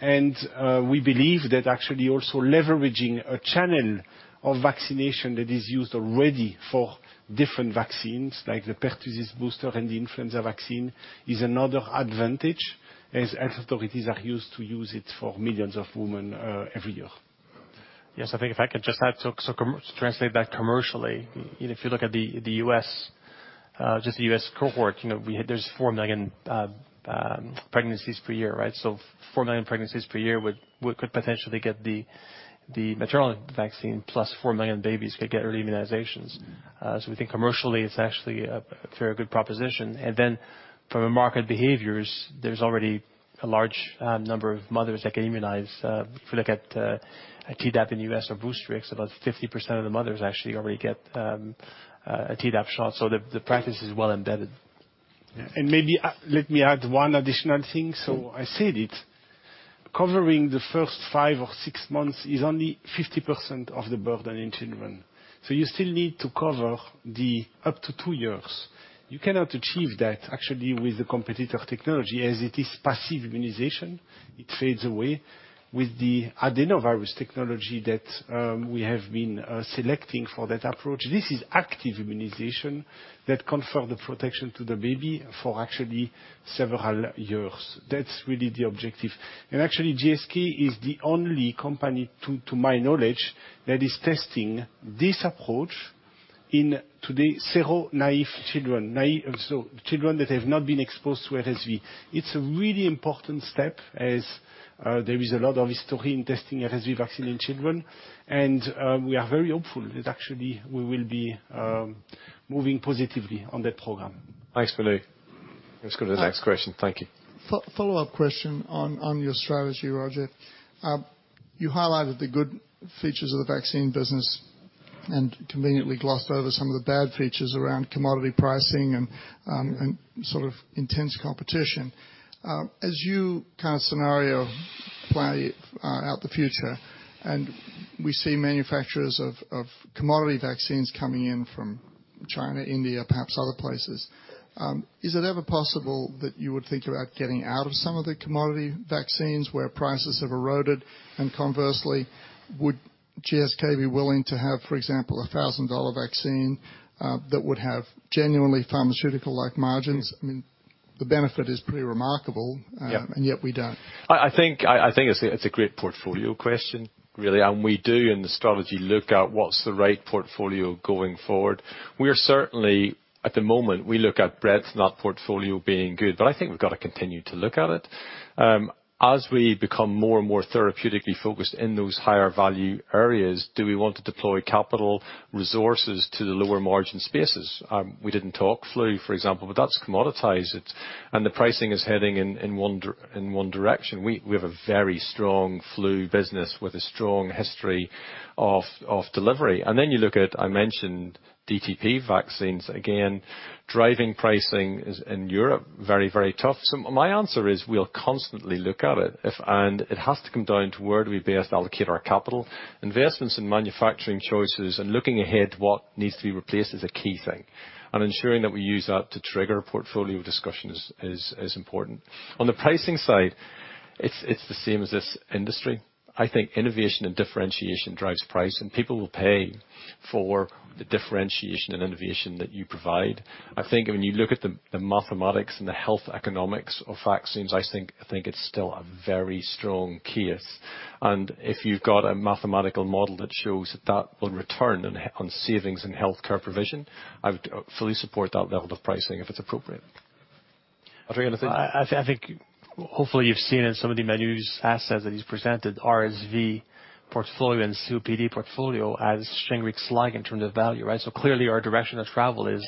We believe that actually also leveraging a channel of vaccination that is used already for different vaccines, like the pertussis booster and the influenza vaccine, is another advantage, as authorities are used to use it for millions of women every year. Yes. I think if I could just add to translate that commercially. If you look at the U.S., just the U.S. cohort, there's 4 million pregnancies per year, right? 4 million pregnancies per year could potentially get the maternal vaccine, plus 4 million babies could get early immunizations. We think commercially it's actually a very good proposition. From a market behaviors, there's already a large number of mothers that can immunize. You look at Tdap in U.S. or BOOSTRIX, about 50% of the mothers actually already get a Tdap shot. The practice is well embedded. Yeah. Maybe let me add one additional thing. I said it, covering the first five or six months is only 50% of the burden in children. You still need to cover the up to two years. You cannot achieve that actually with the competitor technology as it is passive immunization. It fades away. With the adenovirus technology that we have been selecting for that approach, this is active immunization that confer the protection to the baby for actually several years. That's really the objective. Actually, GSK is the only company, to my knowledge, that is testing this approach in today, several naive children. Naive, so children that have not been exposed to RSV. It's a really important step as there is a lot of history in testing RSV vaccine in children, and we are very hopeful that actually we will be moving positively on that program. Thanks, Manu. Let's go to the next question. Thank you. Follow-up question on your strategy, Roger. You highlighted the good features of the vaccine business and conveniently glossed over some of the bad features around commodity pricing and sort of intense competition. As you kind of scenario play out the future, we see manufacturers of commodity vaccines coming in from China, India, perhaps other places, is it ever possible that you would think about getting out of some of the commodity vaccines where prices have eroded? Conversely, would GSK be willing to have, for example, a GBP 1,000 vaccine that would have genuinely pharmaceutical-like margins? I mean, the benefit is pretty remarkable- Yeah Yet we don't. I think it's a great portfolio question, really, and we do, in the strategy, look at what's the right portfolio going forward. We are certainly at the moment, we look at breadth, not portfolio being good, but I think we've got to continue to look at it. As we become more and more therapeutically focused in those higher value areas, do we want to deploy capital resources to the lower margin spaces? We didn't talk flu, for example, but that's commoditized, and the pricing is heading in one direction. We have a very strong flu business with a strong history of delivery. You look at, I mentioned DTP vaccines, again, driving pricing is in Europe, very, very tough. My answer is, we'll constantly look at it. It has to come down to where do we best allocate our capital. Investments in manufacturing choices and looking ahead to what needs to be replaced is a key thing. Ensuring that we use that to trigger portfolio discussions is important. On the pricing side, it's the same as this industry. I think innovation and differentiation drives price, and people will pay for the differentiation and innovation that you provide. I think when you look at the mathematics and the health economics of vaccines, I think it's still a very strong case. If you've got a mathematical model that shows that will return on savings and healthcare provision, I would fully support that level of pricing if it's appropriate. Patrick, anything? I think hopefully you've seen in some of the many assets that he's presented, RSV portfolio and COPD portfolio as SHINGRIX-like in terms of value, right? Clearly our direction of travel is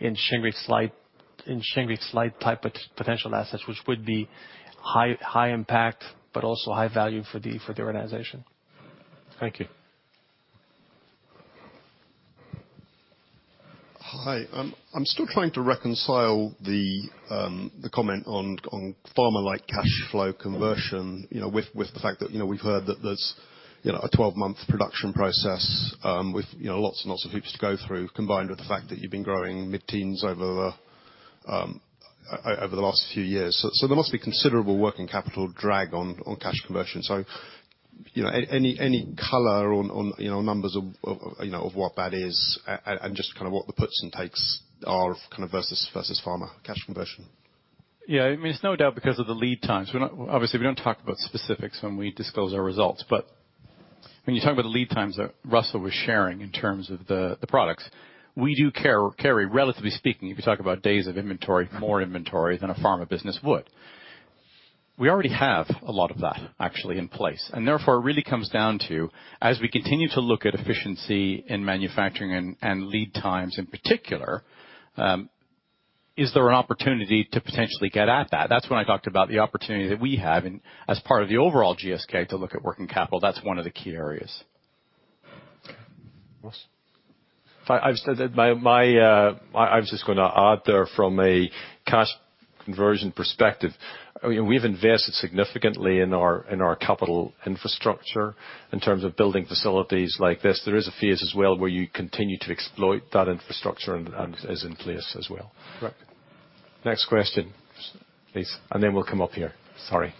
in SHINGRIX-like type potential assets, which would be high impact, but also high value for the organization. Thank you. Hi, I'm still trying to reconcile the comment on pharma-like cash flow conversion, with the fact that we've heard that there's a 12-month production process, with lots and lots of hoops to go through, combined with the fact that you've been growing mid-teens over the last few years. There must be considerable working capital drag on cash conversion. Any color on numbers of what that is and just kind of what the puts and takes are versus pharma cash conversion? Yeah, I mean, it's no doubt because of the lead times. Obviously, we don't talk about specifics when we disclose our results, but when you talk about the lead times that Russell was sharing in terms of the products, we do carry, relatively speaking, if you talk about days of inventory, more inventory than a pharma business would. We already have a lot of that actually in place, and therefore it really comes down to, as we continue to look at efficiency in manufacturing and lead times in particular, is there an opportunity to potentially get at that? That's when I talked about the opportunity that we have as part of the overall GSK to look at working capital. That's one of the key areas. Russ? I was just going to add there from a cash conversion perspective. We've invested significantly in our capital infrastructure in terms of building facilities like this. There is a phase as well where you continue to exploit that infrastructure and is in place as well. Right. Next question, please, and then we'll come up here. Sorry.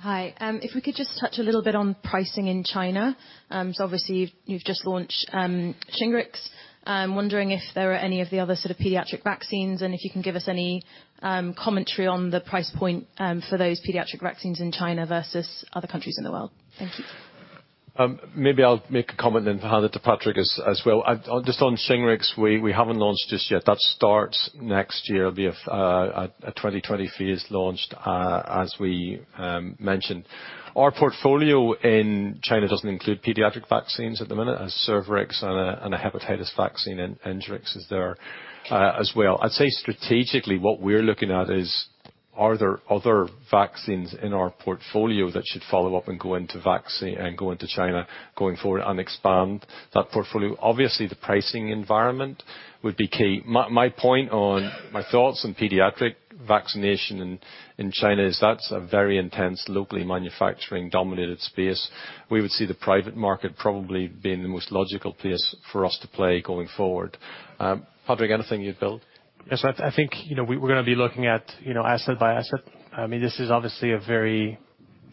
Hi. If we could just touch a little bit on pricing in China. Obviously you've just launched SHINGRIX. I'm wondering if there are any of the other sort of pediatric vaccines, and if you can give us any commentary on the price point for those pediatric vaccines in China versus other countries in the world. Thank you. Maybe I'll make a comment then hand it to Patrick as well. Just on SHINGRIX, we haven't launched just yet. That starts next year. There'll be a 2023 is launched, as we mentioned. Our portfolio in China doesn't include pediatric vaccines at the minute. Has Cervarix and a hepatitis vaccine in ENGERIX-B is there as well. I'd say strategically, what we're looking at is are there other vaccines in our portfolio that should follow up and go into China going forward and expand that portfolio? Obviously, the pricing environment would be key. My point on my thoughts on pediatric vaccination in China is that's a very intense locally manufacturing-dominated space. We would see the private market probably being the most logical place for us to play going forward. Patrick, anything you'd build? Yes, I think we're going to be looking at asset by asset. I mean, this is obviously a very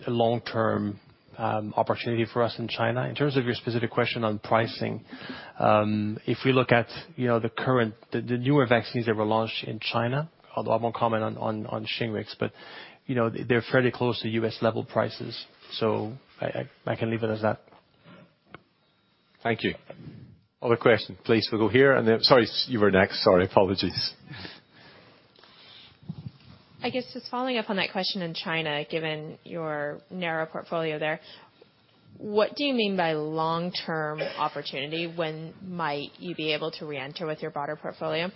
long-term opportunity for us in China. In terms of your specific question on pricing, if we look at the newer vaccines that were launched in China, although I won't comment on SHINGRIX, but they're fairly close to U.S. level prices. I can leave it as that. Thank you. Other question, please. We'll go here, Sorry, you were next. Sorry, apologies. I guess just following up on that question on China, given your narrow portfolio there, what do you mean by long-term opportunity? When might you be able to re-enter with your broader portfolio?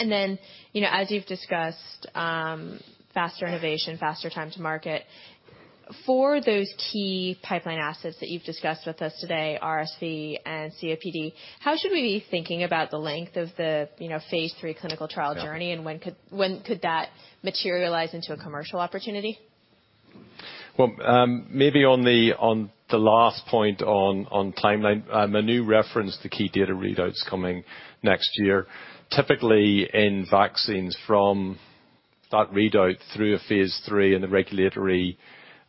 As you've discussed, faster innovation, faster time to market. For those key pipeline assets that you've discussed with us today, RSV and COPD, how should we be thinking about the length of the phase III clinical trial journey? Yeah. When could that materialize into a commercial opportunity? Well, maybe on the last point on timeline, Manu referenced the key data readouts coming next year. Typically, in vaccines from that readout through a phase III and the regulatory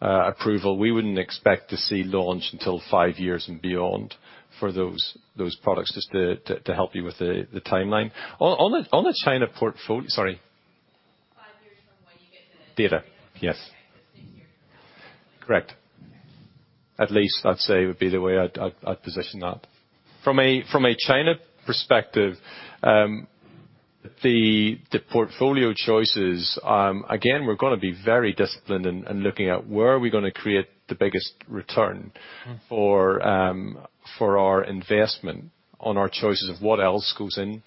approval, we wouldn't expect to see launch until five years and beyond for those products, just to help you with the timeline. Sorry. Five years from when you get the. Data. Yes. Okay. Correct. At least I'd say would be the way I'd position that. From a China perspective, the portfolio choices, again, we're going to be very disciplined in looking at where are we going to create the biggest return for our investment on our choices of what else goes into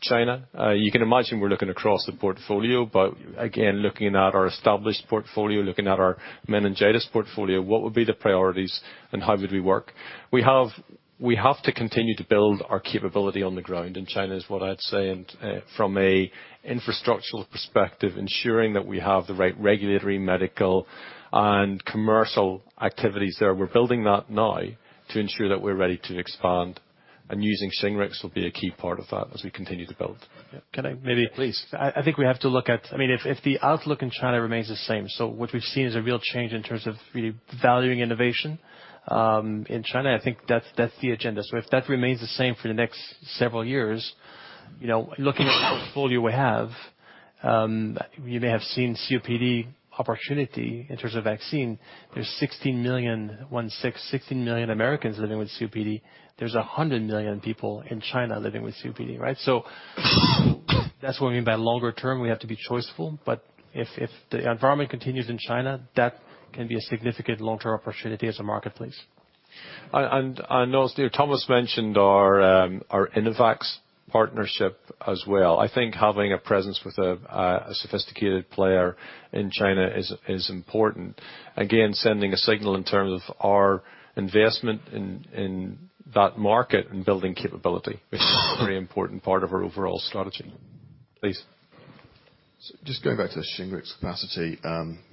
China. You can imagine we're looking across the portfolio, but again, looking at our established portfolio, looking at our meningitis portfolio, what would be the priorities and how would we work? We have to continue to build our capability on the ground in China, is what I'd say. From a infrastructural perspective, ensuring that we have the right regulatory, medical, and commercial activities there. We're building that now to ensure that we're ready to expand. Using SHINGRIX will be a key part of that as we continue to build. Can I maybe? Yeah, please. I think we have to look at, if the outlook in China remains the same, what we've seen is a real change in terms of really valuing innovation in China, I think that's the agenda. If that remains the same for the next several years, looking at the portfolio we have, you may have seen COPD opportunity in terms of vaccine. There's 16 million Americans living with COPD. There's 100 million people in China living with COPD, right? That's what I mean by longer term, we have to be choiceful. If the environment continues in China, that can be a significant long-term opportunity as a marketplace. I know Thomas mentioned our Innovax partnership as well. I think having a presence with a sophisticated player in China is important. Again, sending a signal in terms of our investment in that market and building capability, which is a very important part of our overall strategy. Please. Just going back to the Shingrix capacity.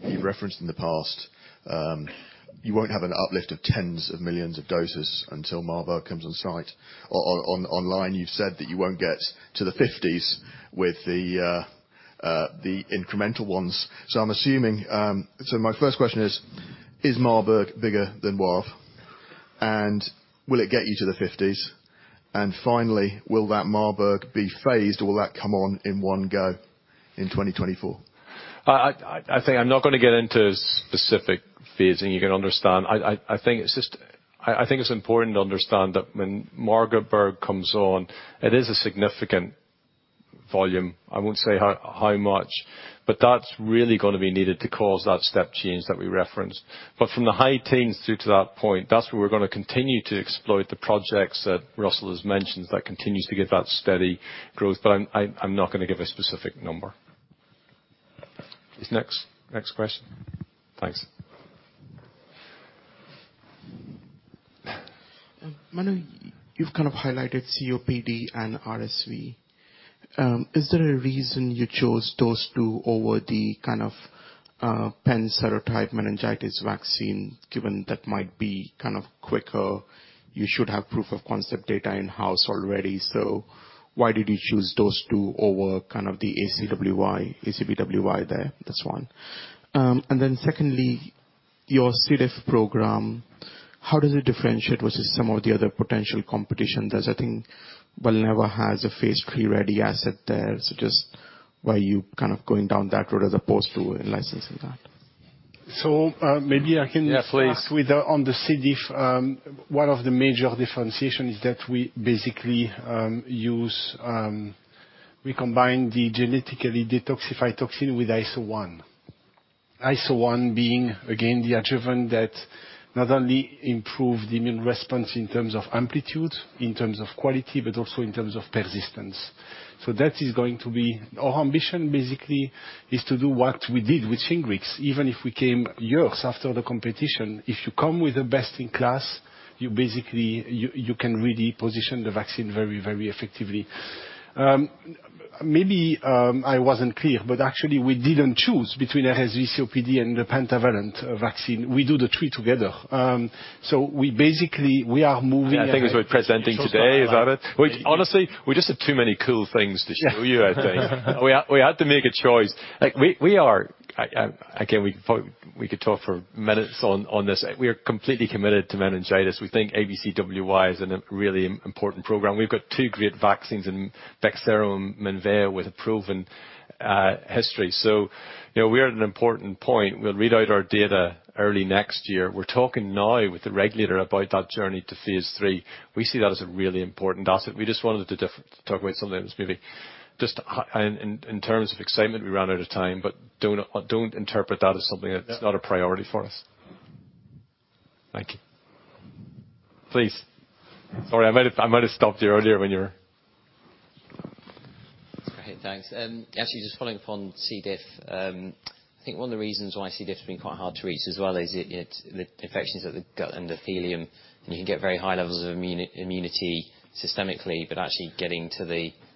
You've referenced in the past, you won't have an uplift of 10s of millions of doses until Marburg comes on site. Online, you've said that you won't get to the 50s with the incremental ones. My first question is Marburg bigger than Wavre, and will it get you to the 50s? Finally, will that Marburg be phased or will that come on in one go in 2024? I think I'm not going to get into specific phasing, you can understand. I think it's important to understand that when Marburg comes on, it is a significant volume. I won't say how much, that's really going to be needed to cause that step change that we referenced. From the high teens through to that point, that's where we're going to continue to exploit the projects that Russell has mentioned that continues to give that steady growth. I'm not going to give a specific number. Next question. Thanks. Manu, you've kind of highlighted COPD and RSV. Is there a reason you chose those two over the kind of pentavalent serotype meningitis vaccine, given that might be kind of quicker, you should have proof of concept data in-house already. Why did you choose those two over kind of the ACWY, ACBWY there? That's one. Secondly, your C. diff program, how does it differentiate versus some of the other potential competition? I think Valneva has a phase III-ready asset there, just why you kind of going down that road as opposed to licensing that? So, maybe I can- Yeah, please. start with on the C. diff. One of the major differentiations is that we combine the genetically detoxified toxin with AS01. AS01 being, again, the adjuvant that not only improved immune response in terms of amplitude, in terms of quality, but also in terms of persistence. Our ambition basically is to do what we did with SHINGRIX, even if we came years after the competition. If you come with the best in class, you can really position the vaccine very effectively. Maybe I wasn't clear, but actually we didn't choose between RSV, COPD and the pentavalent vaccine. We do the three together. I think it was worth presenting today. Is that it? Honestly, we just have too many cool things to show you, I think. We had to make a choice. Again, we could talk for minutes on this. We are completely committed to meningitis. We think ABCWY is a really important program. We've got two great vaccines in BEXSERO and Menveo with a proven history. We are at an important point. We'll read out our data early next year. We're talking now with the regulator about that journey to phase III. We see that as a really important asset. We just wanted to talk about something that was maybe just in terms of excitement, we ran out of time. Don't interpret that as something that's not a priority for us. Thank you. Please. Sorry, I might have stopped you earlier when you were Great. Thanks. Actually, just following up on C. diff. I think one of the reasons why C. diff has been quite hard to reach as well is the infections of the gut and the ileum. You can get very high levels of immunity systemically.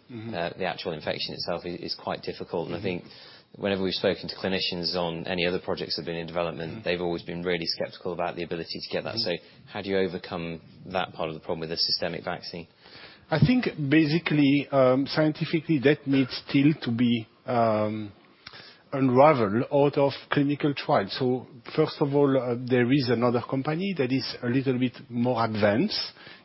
the actual infection itself is quite difficult. I think whenever we've spoken to clinicians on any other projects that have been in development. they've always been really skeptical about the ability to get that. How do you overcome that part of the problem with a systemic vaccine? I think basically, scientifically, that needs still to be unraveled out of clinical trials. First of all, there is another company that is a little bit more advanced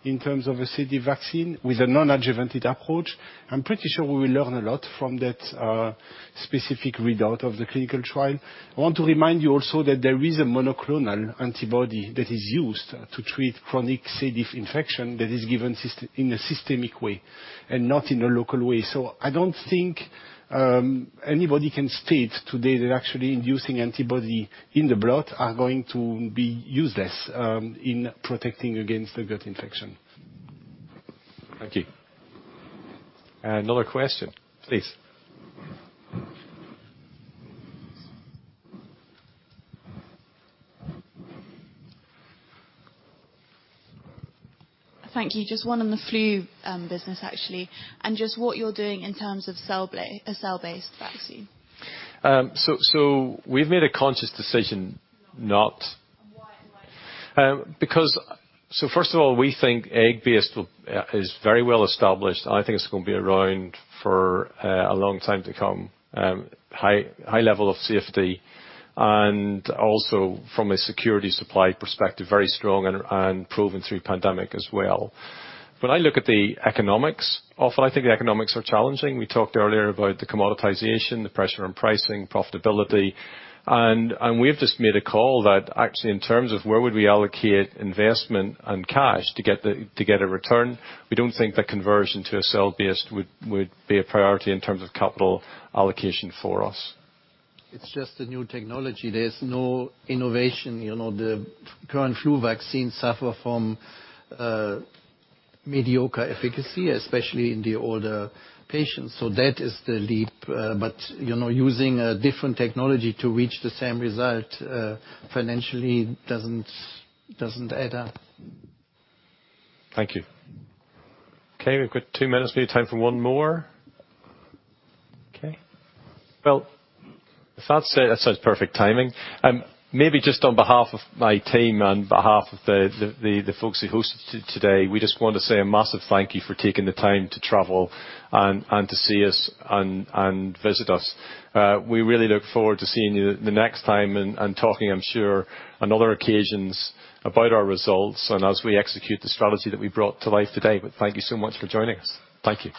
in terms of a CD vaccine with a non-adjuvanted approach. I'm pretty sure we will learn a lot from that specific readout of the clinical trial. I want to remind you also that there is a monoclonal antibody that is used to treat chronic C. diff infection that is given in a systemic way and not in a local way. I don't think anybody can state today that actually inducing antibody in the blood are going to be useless in protecting against the gut infection. Thank you. Another question, please. Thank you. Just one on the flu business, actually. Just what you're doing in terms of a cell-based vaccine. We've made a conscious decision not. Why? First of all, we think egg-based is very well established. I think it's going to be around for a long time to come. High level of safety, and also from a security supply perspective, very strong and proven through pandemic as well. When I look at the economics of it, I think the economics are challenging. We talked earlier about the commoditization, the pressure on pricing, profitability. We've just made a call that actually in terms of where would we allocate investment and cash to get a return, we don't think the conversion to a cell-based would be a priority in terms of capital allocation for us. It's just the new technology. There's no innovation. The current flu vaccine suffer from mediocre efficacy, especially in the older patients. That is the leap. Using a different technology to reach the same result financially doesn't add up. Thank you. Okay, we've got two minutes, maybe time for one more. Okay. Well, that's perfect timing. Maybe just on behalf of my team and behalf of the folks who hosted today, we just want to say a massive thank you for taking the time to travel and to see us and visit us. We really look forward to seeing you the next time and talking, I'm sure, on other occasions about our results and as we execute the strategy that we brought to life today. Thank you so much for joining us. Thank you.